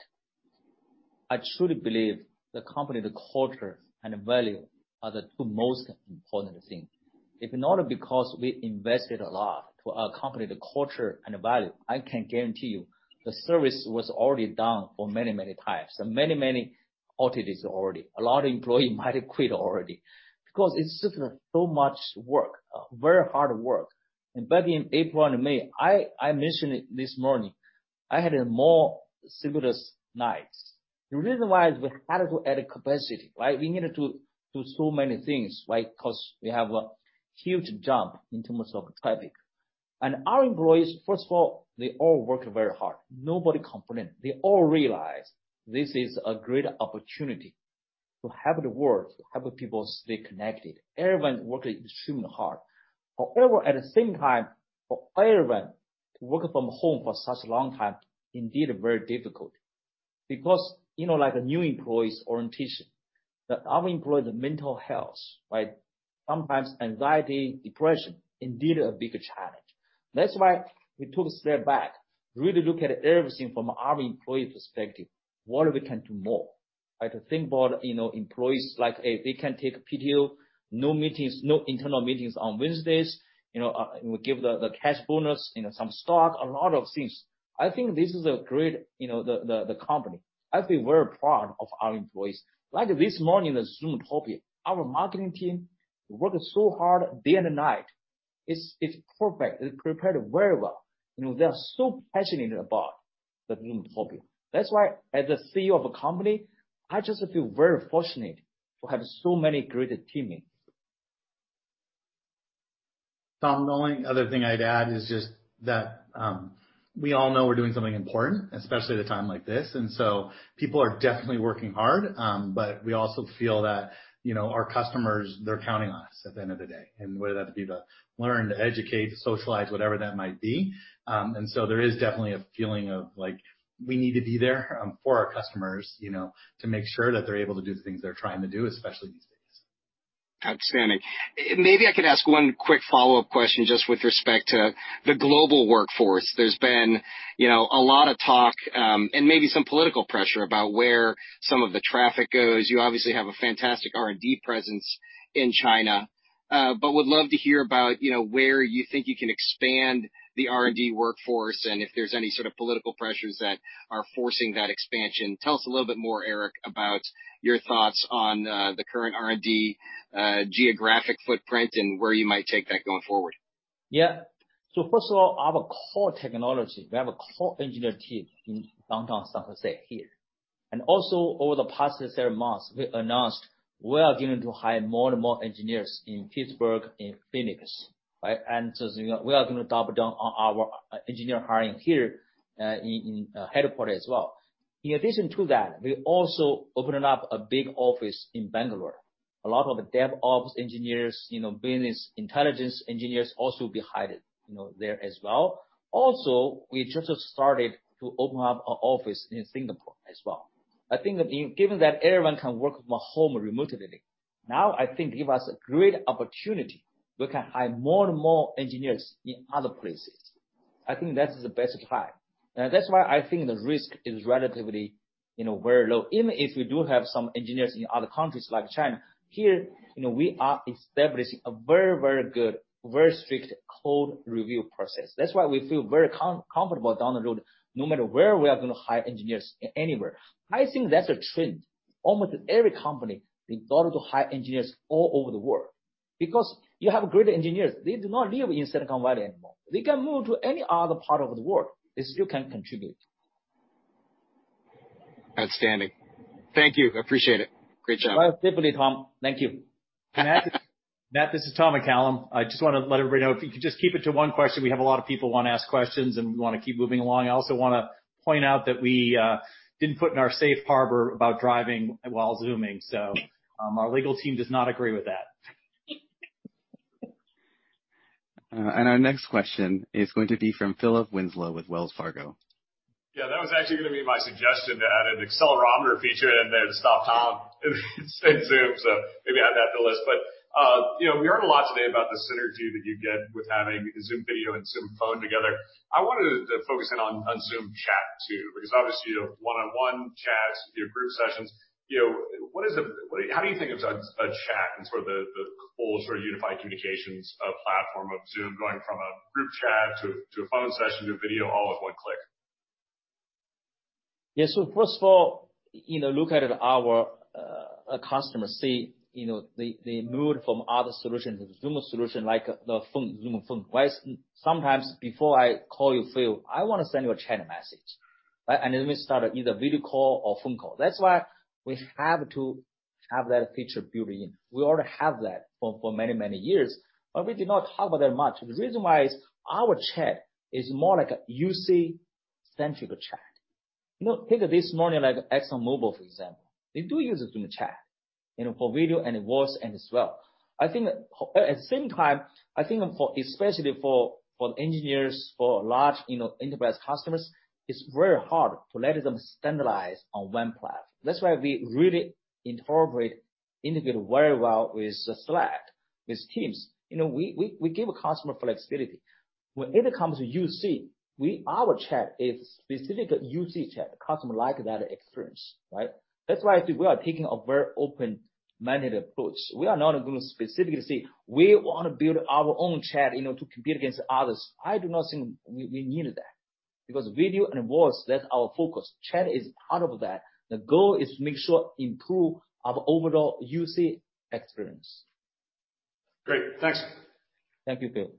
I truly believe the company, the culture, and the value are the two most important things. If not because we invested a lot to our company, the culture and value, I can guarantee you the service was already down for many, many times, and many, many outages already. A lot of employees might have quit already because it's just so much work, very hard work. Back in April and May, I mentioned it this morning, I had more sleepless nights. The reason why is we had to add capacity, right? We needed to do so many things, right? Because we have a huge jump in terms of traffic. Our employees, first of all, they all work very hard. Nobody complained. They all realized this is a great opportunity to help the world, to help people stay connected. Everyone is working extremely hard. At the same time, for everyone to work from home for such a long time, indeed, very difficult. Like new employees orientation, our employees mental health, right? Sometimes anxiety, depression, indeed a big challenge. That's why, we took a step back, really look at everything from our employee perspective, what we can do more, right? To think about employees, like they can take PTO, no meetings, no internal meetings on Wednesdays. We give the cash bonus and some stock, a lot of things. I think this is a great, the company. I feel very proud of our employees. Like this morning, the Zoomtopia, our marketing team worked so hard day and night. It's perfect. They prepared very well. They are so passionate about the Zoomtopia. That's why as a CEO of a company, I just feel very fortunate to have so many great teammates. Tom, the only other thing I'd add is just that we all know we're doing something important, especially at a time like this, and so people are definitely working hard. We also feel that our customers, they're counting on us at the end of the day, and whether that be to learn, to educate, to socialize, whatever that might be. There is definitely a feeling of like, we need to be there for our customers to make sure that they're able to do the things they're trying to do, especially these days. Outstanding. Maybe I could ask one quick follow-up question just with respect to the global workforce. There's been a lot of talk, and maybe some political pressure about where some of the traffic goes. You obviously have a fantastic R&D presence in China. Would love to hear about where you think you can expand the R&D workforce, and if there's any sort of political pressures that are forcing that expansion. Tell us a little bit more, Eric, about your thoughts on the current R&D geographic footprint and where you might take that going forward. First of all, our core technology. We have a core engineer team in downtown San Jose here. Over the past several months, we announced we are going to hire more and more engineers in Pittsburgh, in Phoenix. We are going to double down on our engineer hiring here in headquarters as well. In addition to that, we also opening up a big office in Bangalore. A lot of DevOps engineers, business intelligence engineers also will be hired there as well. Also, we just started to open up an office in Singapore as well. I think given that everyone can work from home remotely, now I think give us a great opportunity. We can hire more and more engineers in other places. I think that's the best time. That's why I think the risk is relatively very low. Even if we do have some engineers in other countries like China, here, we are establishing a very, very good, very strict code review process. That's why we feel very comfortable down the road, no matter where we are going to hire engineers anywhere. I think that's a trend. Almost every company is going to hire engineers all over the world. Because you have great engineers. They do not live in Silicon Valley anymore. They can move to any other part of the world. They still can contribute. Outstanding. Thank you. Appreciate it. Great job. Most definitely, Tom. Thank you. Matt, this is Tom McCallum. I just want to let everybody know, if you could just keep it to one question. We have a lot of people who want to ask questions, we want to keep moving along. I also want to point out that we didn't put in our safe harbor about driving while Zooming; our legal team does not agree with that. Our next question is going to be from Philip Winslow with Wells Fargo. Yeah, that was actually going to be my suggestion, to add an accelerometer feature in there to stop Tom in Zoom. Maybe add that to the list. We heard a lot today about the synergy that you get with having Zoom Video and Zoom Phone together. I wanted to focus in on Zoom Chat, too, because obviously you have one-on-one chats, you have group sessions. How do you think of a chat and sort of the full unified communications platform of Zoom going from a group chat, to a phone session, to a video all with one click? First of all, look at our customer. See, they moved from other solutions to Zoom solution like the phone, Zoom Phone, right? Sometimes before I call you, Phil, I want to send you a chat message, right? Then we start either video call or phone call. That's why we have to have that feature built in. We already have that for many years, we do not talk about that much. The reason why is our chat is more like a UC-centric chat. Take this morning like ExxonMobil, for example. They do use Zoom Chat, for video and voice as well. At the same time, I think especially for engineers, for large enterprise customers, it's very hard to let them standardize on one platform. That's why we really integrate very well with Slack, with Teams. We give customer flexibility. Whenever it comes to UC, our chat is specific UC chat. Customer like that experience, right? That's why I think we are taking a very open-minded approach. We are not going to specifically say, we want to build our own chat to compete against others. I do not think we need that because video and voice, that's our focus. Chat is part of that. The goal is to make sure improve our overall UC experience. Great. Thanks. Thank you, Phil.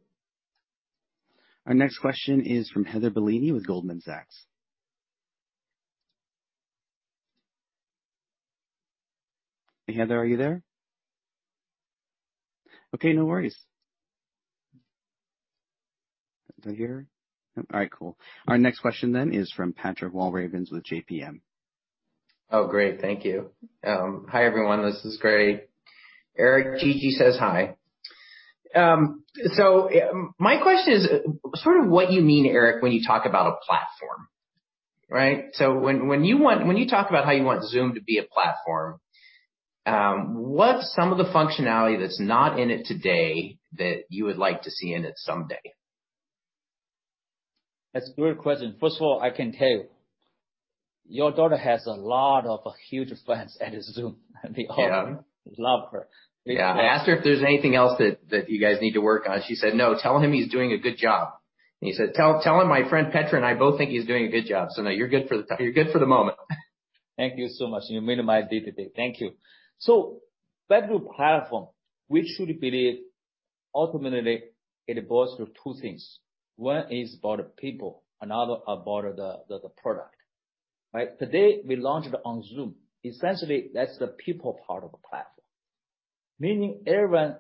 Our next question is from Heather Bellini with Goldman Sachs. Heather, are you there? Okay, no worries. Is Heather here? All right, cool. Our next question then is from Pat Walravens with JMP. Oh, great. Thank you. Hi, everyone. This is great. Eric, Gigi says hi. My question is sort of what you mean, Eric, when you talk about a platform, right? When you talk about how you want Zoom to have a platform, what's some of the functionality that's not in it today that you would like to see in it someday? That's a great question. First of all, I can tell you, your daughter has a lot of huge fans at Zoom. Yeah. We all love her. Yeah. I asked her if there's anything else that you guys need to work on. She said, "No. Tell him he's doing a good job." She said, "Tell him my friend Petra and I both think he's doing a good job." No, you're good for the moment. Thank you so much. You made my day today. Thank you. Back to platform. We truly believe ultimately it boils to two things. One is about people, another about the product, right? Today we launched on Zoom. Essentially, that's the people part of the platform. Meaning everyone,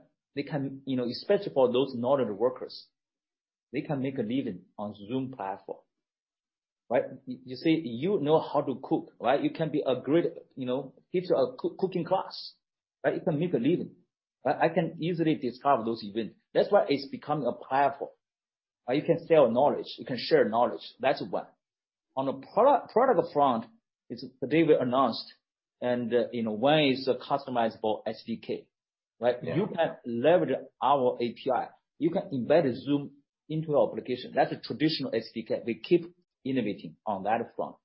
especially for those non-workers, they can make a living on Zoom platform, right? You know how to cook, right? You can be a great host, a cooking class, right? You can make a living. I can easily discover those events. That's why it's becoming a platform. You can sell knowledge. You can share knowledge. That's one. On the product front, today we announced, and one is a customizable SDK, right? Yeah. You can leverage our API. You can embed Zoom into your application. That's a traditional SDK. We keep innovating on that front.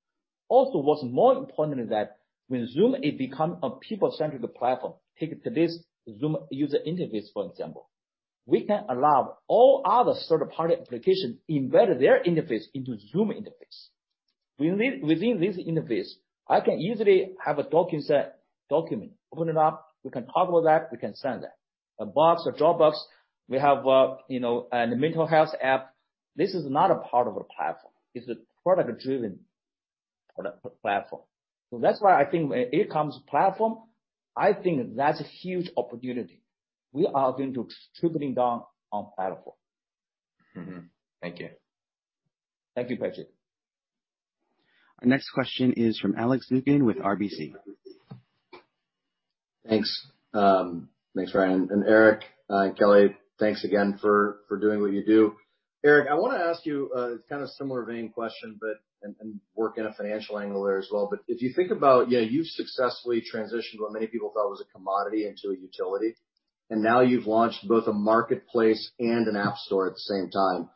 What's more important is that when Zoom is becoming a people-centric platform, take today's Zoom user interface, for example. We can allow all other third-party applications embed their interface into Zoom interface. Within this interface, I can easily have a document, open it up, we can toggle that, we can send that. A Box, a Dropbox. We have a mental health app. This is not a part of a platform. It's a product-driven platform. That's why I think when it comes to platform, I think that's a huge opportunity. We are going to be contributing down on platform. Thank you. Thank you, Patrick. Our next question is from Alex Zukin with RBC. Thanks. Thanks, Ryan, and Eric, and Kelly, thanks again for doing what you do. Eric, I want to ask you a kind of similar vein question, and work in a financial angle there as well. If you think about you successfully transitioned what many people thought was a commodity into a utility, and now you've launched both a marketplace and an app store at the same time.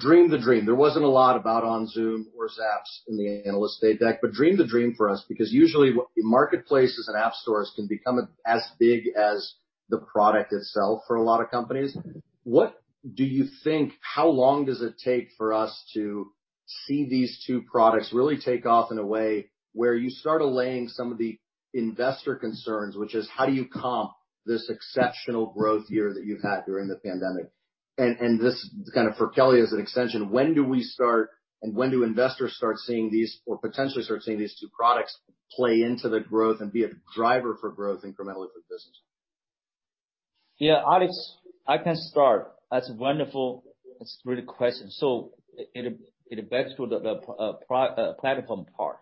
Dream the dream. There wasn't a lot about OnZoom or Zapps in the analyst day deck, dream the dream for us, because usually marketplaces and app stores can become as big as the product itself for a lot of companies. What do you think, how long does it take for us to see these two products really take off in a way where you start allaying some of the investor concerns, which is, how do you comp this exceptional growth year that you've had during the pandemic? This kind of for Kelly as an extension, when do we start and when do investors start seeing these, or potentially start seeing these two products play into the growth and be a driver for growth incrementally for the business? Yeah, Alex, I can start. That's a wonderful, it's a really good question. It backs to the platform part.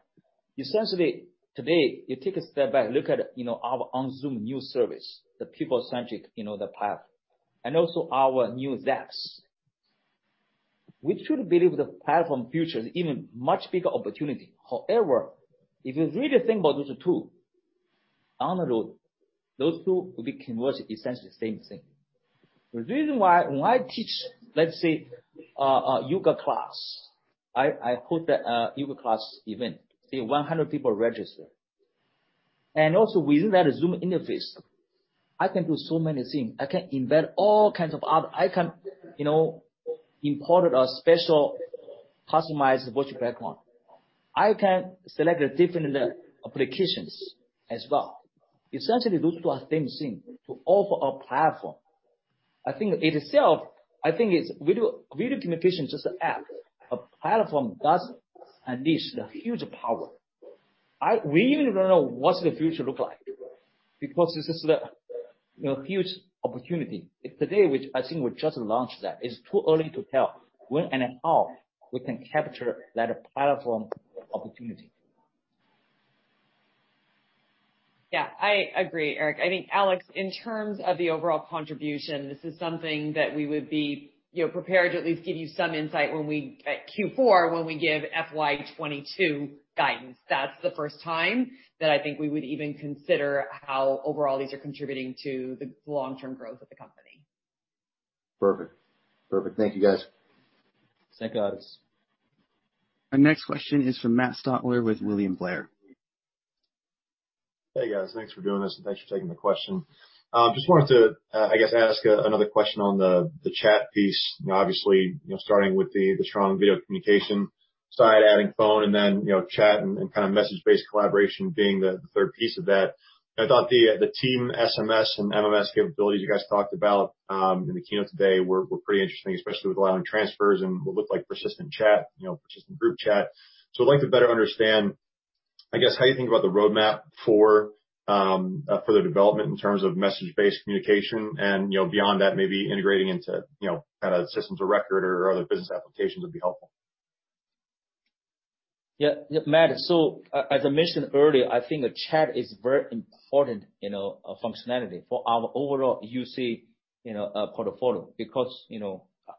Essentially today, you take a step back, look at our own Zoom new service, the people-centric, the platform, and also our new Zapps. We truly believe the platform future is even much bigger opportunity. However, if you really think about those two, down the road, those two will be converged essentially the same thing. The reason why, when I teach, let's say, a yoga class, I put a yoga class event, say, 100 people register. Within that Zoom interface, I can do so many things. I can import a special customized virtual background. I can select different applications as well. Essentially, those two are same thing, to offer a platform. I think video communication is just an app. A platform does unleash the huge power. We even don't know what's the future look like, because this is the huge opportunity. Today, I think we just launched that. It's too early to tell when and how we can capture that platform opportunity. Yeah, I agree, Eric. I think Alex, in terms of the overall contribution, this is something that we would be prepared to at least give you some insight at Q4 when we give FY 2022 guidance. That's the first time that I think we would even consider how overall these are contributing to the long-term growth of the company. Perfect. Thank you, guys. Thanks, Alex. Our next question is from Matt Stotler with William Blair. Hey, guys. Thanks for doing this, and thanks for taking the question. Just wanted to ask another question on the chat piece, obviously, starting with the strong video communication side, adding phone and then chat and kind of message-based collaboration being the third piece of that. I thought the team SMS and MMS capabilities you guys talked about, in the keynote today were pretty interesting, especially with allowing transfers and what looked like persistent chat, persistent group chat. I'd like to better understand how you think about the roadmap for the development in terms of message-based communication and, beyond that, maybe integrating into kind of systems of record or other business applications would be helpful. Yeah. Matt, as I mentioned earlier, I think chat is very important functionality for our overall UC portfolio because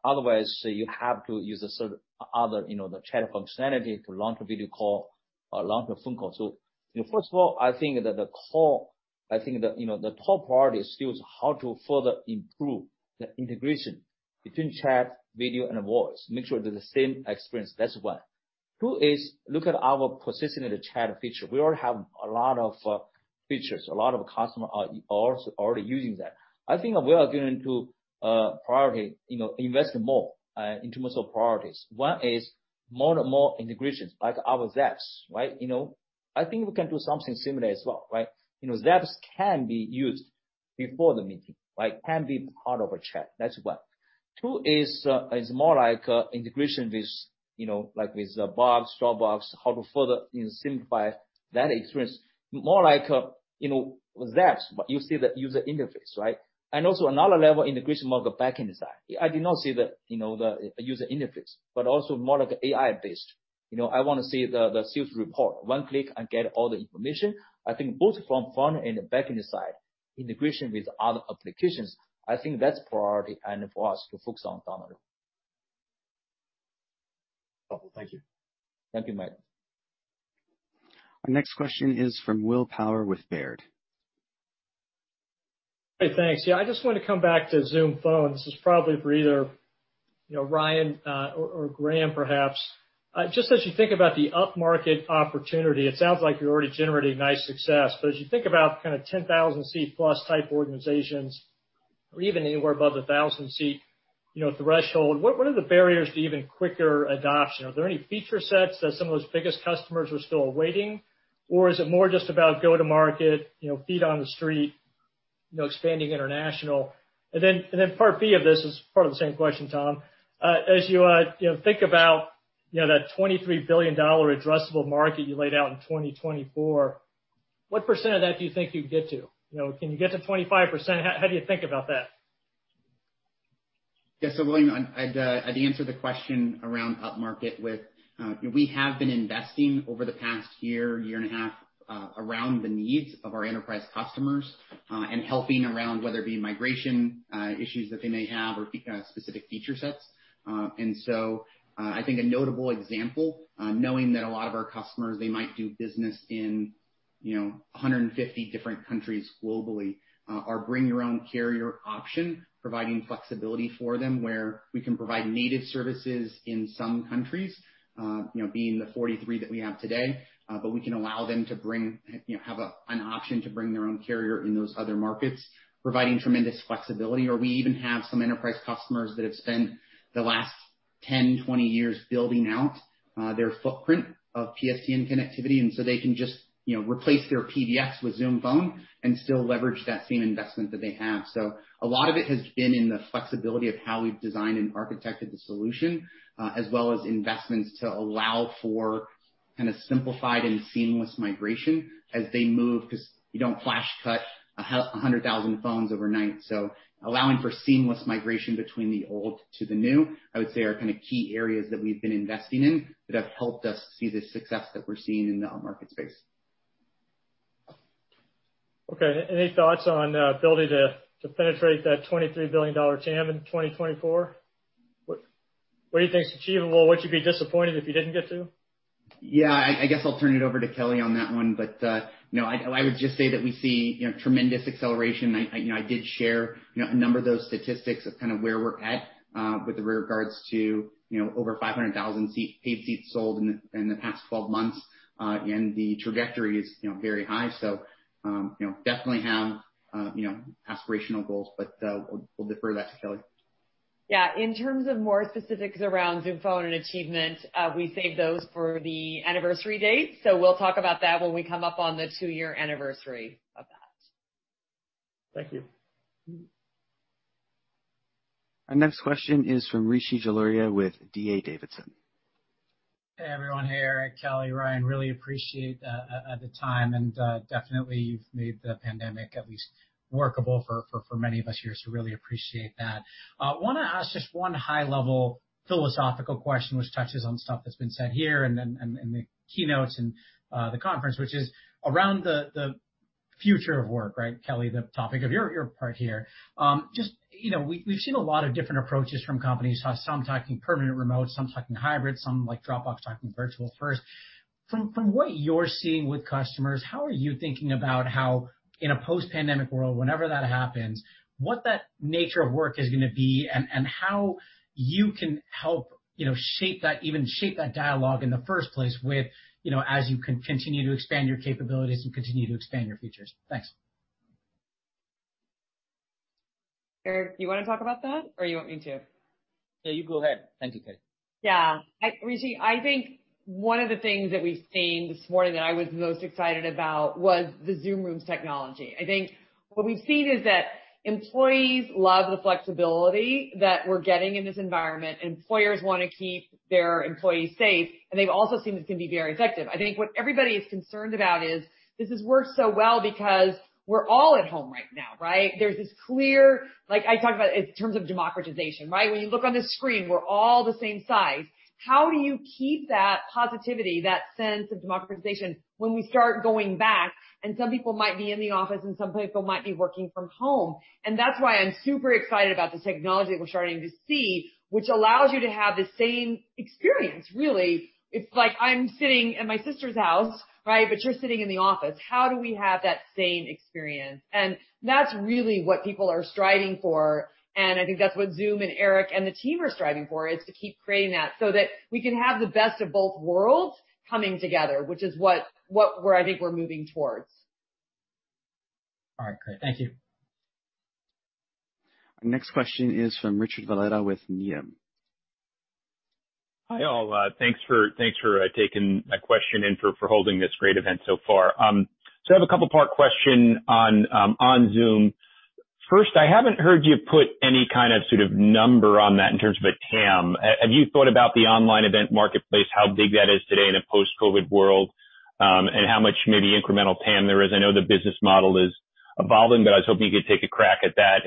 otherwise, you have to use a certain other chat functionality to launch a video call or launch a phone call. First of all, I think that the top priority still is how to further improve the integration between chat, video and voice. Make sure they're the same experience. That's one. Two is look at our persistent chat feature. We already have a lot of features. A lot of customers are already using that. I think we are going to invest more in terms of priorities. One is more and more integrations like our Zapps. Right? I think we can do something similar as well, right? Zapps can be used before the meeting, can be part of a chat. That's one. Two is more like integration with Box, Dropbox, how to further simplify that experience. More like Zapps, you see the user interface, right? Also another level integration of the back end side. I do not see the user interface, also more like AI-based. I want to see the sales report. One click and get all the information. I think both from front and the back end side, integration with other applications, I think that's priority for us to focus on down the road. Wonderful. Thank you. Thank you, Matt. Our next question is from Will Power with Baird. Thanks. I just wanted to come back to Zoom Phone. This is probably for either Ryan or Graeme perhaps. As you think about the upmarket opportunity, it sounds like you're already generating nice success. As you think about 10,000-seat-plus type organizations or even anywhere above 1,000 seat threshold, what are the barriers to even quicker adoption? Are there any feature sets that some of those biggest customers are still awaiting? Is it more just about go to market, feet on the street, expanding international? Part B of this is part of the same question, Tom. As you think about that $23 billion addressable market you laid out in 2024, what percent of that do you think you can get to? Can you get to 25%? How do you think about that? Yeah. William, I'd answer the question around upmarket with, we have been investing over the past year and a half, around the needs of our enterprise customers, helping around whether it be migration issues that they may have or specific feature sets. I think a notable example, knowing that a lot of our customers, they might do business in 150 different countries globally, our bring your own carrier option, providing flexibility for them where we can provide native services in some countries, being the 43 that we have today. We can allow them to have an option to bring their own carrier in those other markets, providing tremendous flexibility. We even have some enterprise customers that have spent the last 10, 20 years building out their footprint of PSTN connectivity, and they can just replace their PBXs with Zoom Phone and still leverage that same investment that they have. A lot of it has been in the flexibility of how we've designed and architected the solution, as well as investments to allow for kind of simplified and seamless migration as they move, because you don't flash cut 100,000 phones overnight. Allowing for seamless migration between the old to the new, I would say, are key areas that we've been investing in that have helped us see the success that we're seeing in the market space. Okay, any thoughts on ability to penetrate that $23 billion TAM in 2024? What do you think is achievable? Would you be disappointed if you didn't get to? I guess I'll turn it over to Kelly on that one. I would just say that we see tremendous acceleration. I did share a number of those statistics, of kind of where we're at with regards to over 500,000 paid seats sold in the past 12 months. The trajectory is very high. Definitely have aspirational goals, but we'll defer that to Kelly. Yeah. In terms of more specifics around Zoom Phone and achievement, we save those for the anniversary dates, so we will talk about that when we come up on the two-year anniversary of that. Thank you. Our next question is from Rishi Jaluria with D.A. Davidson. Hey, everyone. Hey, Eric, Kelly, Ryan, really appreciate the time, and definitely you've made the pandemic at least workable for many of us here, so really appreciate that. Want to ask just one high-level philosophical question, which touches on stuff that's been said here, and the keynotes in the conference, which is around the future of work, right, Kelly? The topic of your part here. We've seen a lot of different approaches from companies. Some talking permanent remote, some talking hybrid, some like Dropbox talking virtual first. From what you're seeing with customers, how are you thinking about how in a post-pandemic world, whenever that happens, what that nature of work is going to be and how you can help even shape that dialogue in the first place as you continue to expand your capabilities and continue to expand your features? Thanks. Eric, you want to talk about that or you want me to? No, you go ahead. Thank you, Kelly. Yeah. Rishi, I think one of the things that we've seen this morning that I was most excited about was the Zoom Rooms technology. I think what we've seen is that employees love the flexibility that we're getting in this environment. Employers want to keep their employees safe. They've also seen this can be very effective. I think what everybody is concerned about is this has worked so well because we're all at home right now, right? There's this clear, like I talk about it in terms of democratization, right? When you look on the screen, we're all the same size. How do you keep that positivity, that sense of democratization when we start going back and some people might be in the office and some people might be working from home? That's why I'm super excited about the technology that we're starting to see, which allows you to have the same experience, really. It's like I'm sitting at my sister's house, right? You're sitting in the office. How do we have that same experience? That's really what people are striving for, and I think that's what Zoom and Eric and the team are striving for, is to keep creating that so that we can have the best of both worlds coming together, which is what I think we're moving towards. All right, great. Thank you. Our next question is from Richard Valera with Needham. Hi, all. Thanks for taking my question and for holding this great event so far. I have a couple-part question on Zoom. First, I haven't heard you put any kind of sort of number on that in terms of a TAM. Have you thought about the online event marketplace, how big that is today in a post-COVID world, and how much maybe incremental TAM there is? I know the business model is evolving, I was hoping you could take a crack at that.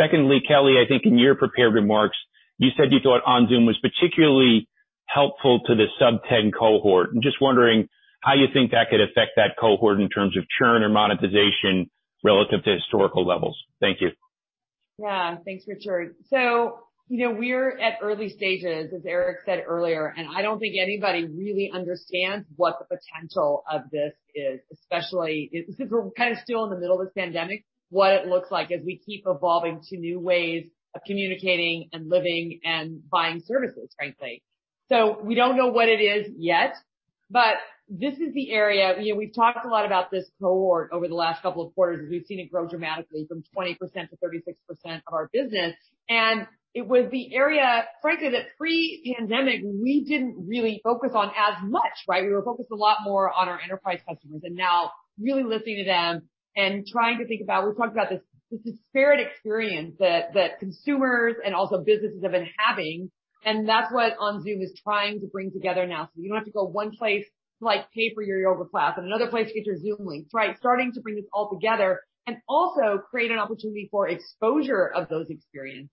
Secondly, Kelly, I think in your prepared remarks, you said you thought OnZoom was particularly helpful to the sub-10 cohort. I'm just wondering how you think that could affect that cohort in terms of churn or monetization relative to historical levels. Thank you. Yeah. Thanks, Richard. We're at early stages, as Eric said earlier, and I don't think anybody really understands what the potential of this is, especially since we're kind of still in the middle of this pandemic, what it looks like as we keep evolving to new ways of communicating and living and buying services, frankly. We don't know what it is yet, but this is the area, we've talked a lot about this cohort over the last couple of quarters as we've seen it grow dramatically from 20%-36% of our business. It was the area, frankly, that pre-pandemic, we didn't really focus on as much, right? We were focused a lot more on our enterprise customers. Now really listening to them and trying to think about, we talked about this disparate experience that consumers and also businesses have been having, and that's what OnZoom is trying to bring together now, so you don't have to go one place to pay for your yoga class and another place to get your Zoom link, right? Starting to bring this all together and also create an opportunity for exposure of those experiences.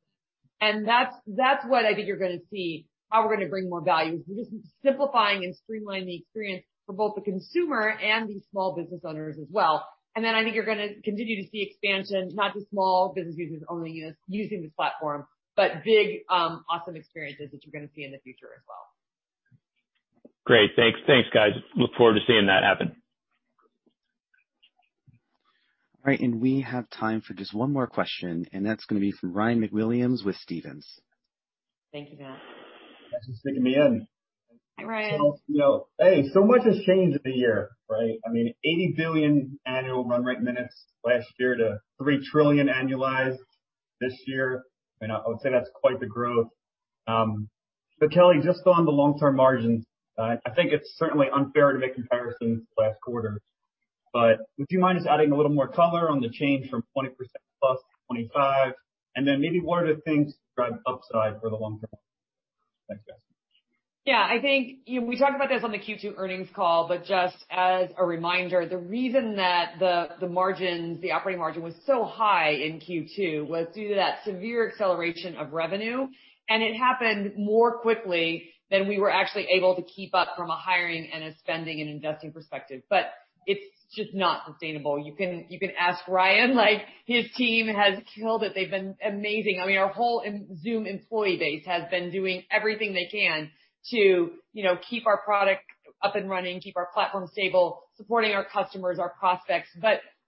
That's what I think you're going to see, how we're going to bring more value, is we're just simplifying and streamlining the experience for both the consumer and the small business owners as well. I think you're going to continue to see expansion, not just small business users only using this platform, but big, awesome experiences that you're going to see in the future as well. Great. Thanks. Thanks, guys. Look forward to seeing that happen. All right, we have time for just one more question, and that's going to be from Ryan MacWilliams with Stephens. Thanks, Matt. Thanks for sticking me in. Hi, Ryan. Hey, so much has changed in a year, right? I mean, 80 billion annual run rate minutes last year to 3 trillion annualized this year. I would say that's quite the growth. Kelly, just on the long-term margins, I think it's certainly unfair to make comparisons to last quarter, but would you mind just adding a little more color on the change from 20%+ to 25%, and then maybe what are the things to drive upside for the long term? Thanks, guys. Yeah. I think we talked about this on the Q2 earnings call, but just as a reminder, the reason that the operating margin was so high in Q2 was due to that severe acceleration of revenue, and it happened more quickly than we were actually able to keep up from a hiring and a spending and investing perspective. It's just not sustainable. You can ask Ryan, his team has killed it. They've been amazing. Our whole Zoom employee base has been doing everything they can to keep our product up and running, keep our platform stable, supporting our customers, our prospects.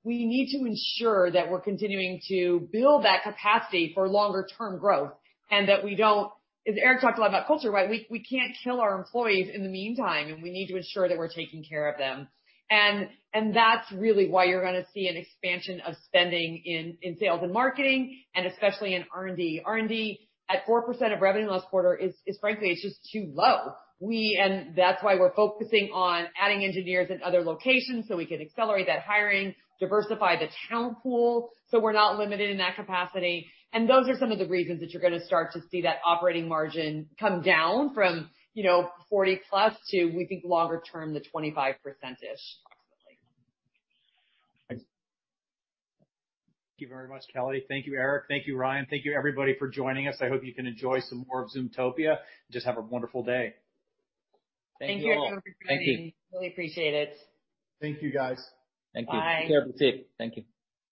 We need to ensure that we're continuing to build that capacity for longer-term growth, and that we don't, as Eric talked a lot about culture, right? We can't kill our employees in the meantime, and we need to ensure that we're taking care of them. That's really why you're going to see an expansion of spending in sales and marketing, and especially in R&D. R&D at 4% of revenue last quarter is, frankly, it's just too low. That's why we're focusing on adding engineers in other locations so we can accelerate that hiring, diversify the talent pool, so we're not limited in that capacity. Those are some of the reasons that you're going to start to see that operating margin come down from 40%+ to, we think, longer term, the 25%-ish, approximately. Thanks. Thank you very much, Kelly. Thank you, Eric. Thank you, Ryan. Thank you, everybody, for joining us. I hope you can enjoy some more of Zoomtopia, and just have a wonderful day. Thank you everyone for joining. Really appreciate it. Thank you, guys. Bye. Thank you. Take care. Thank you.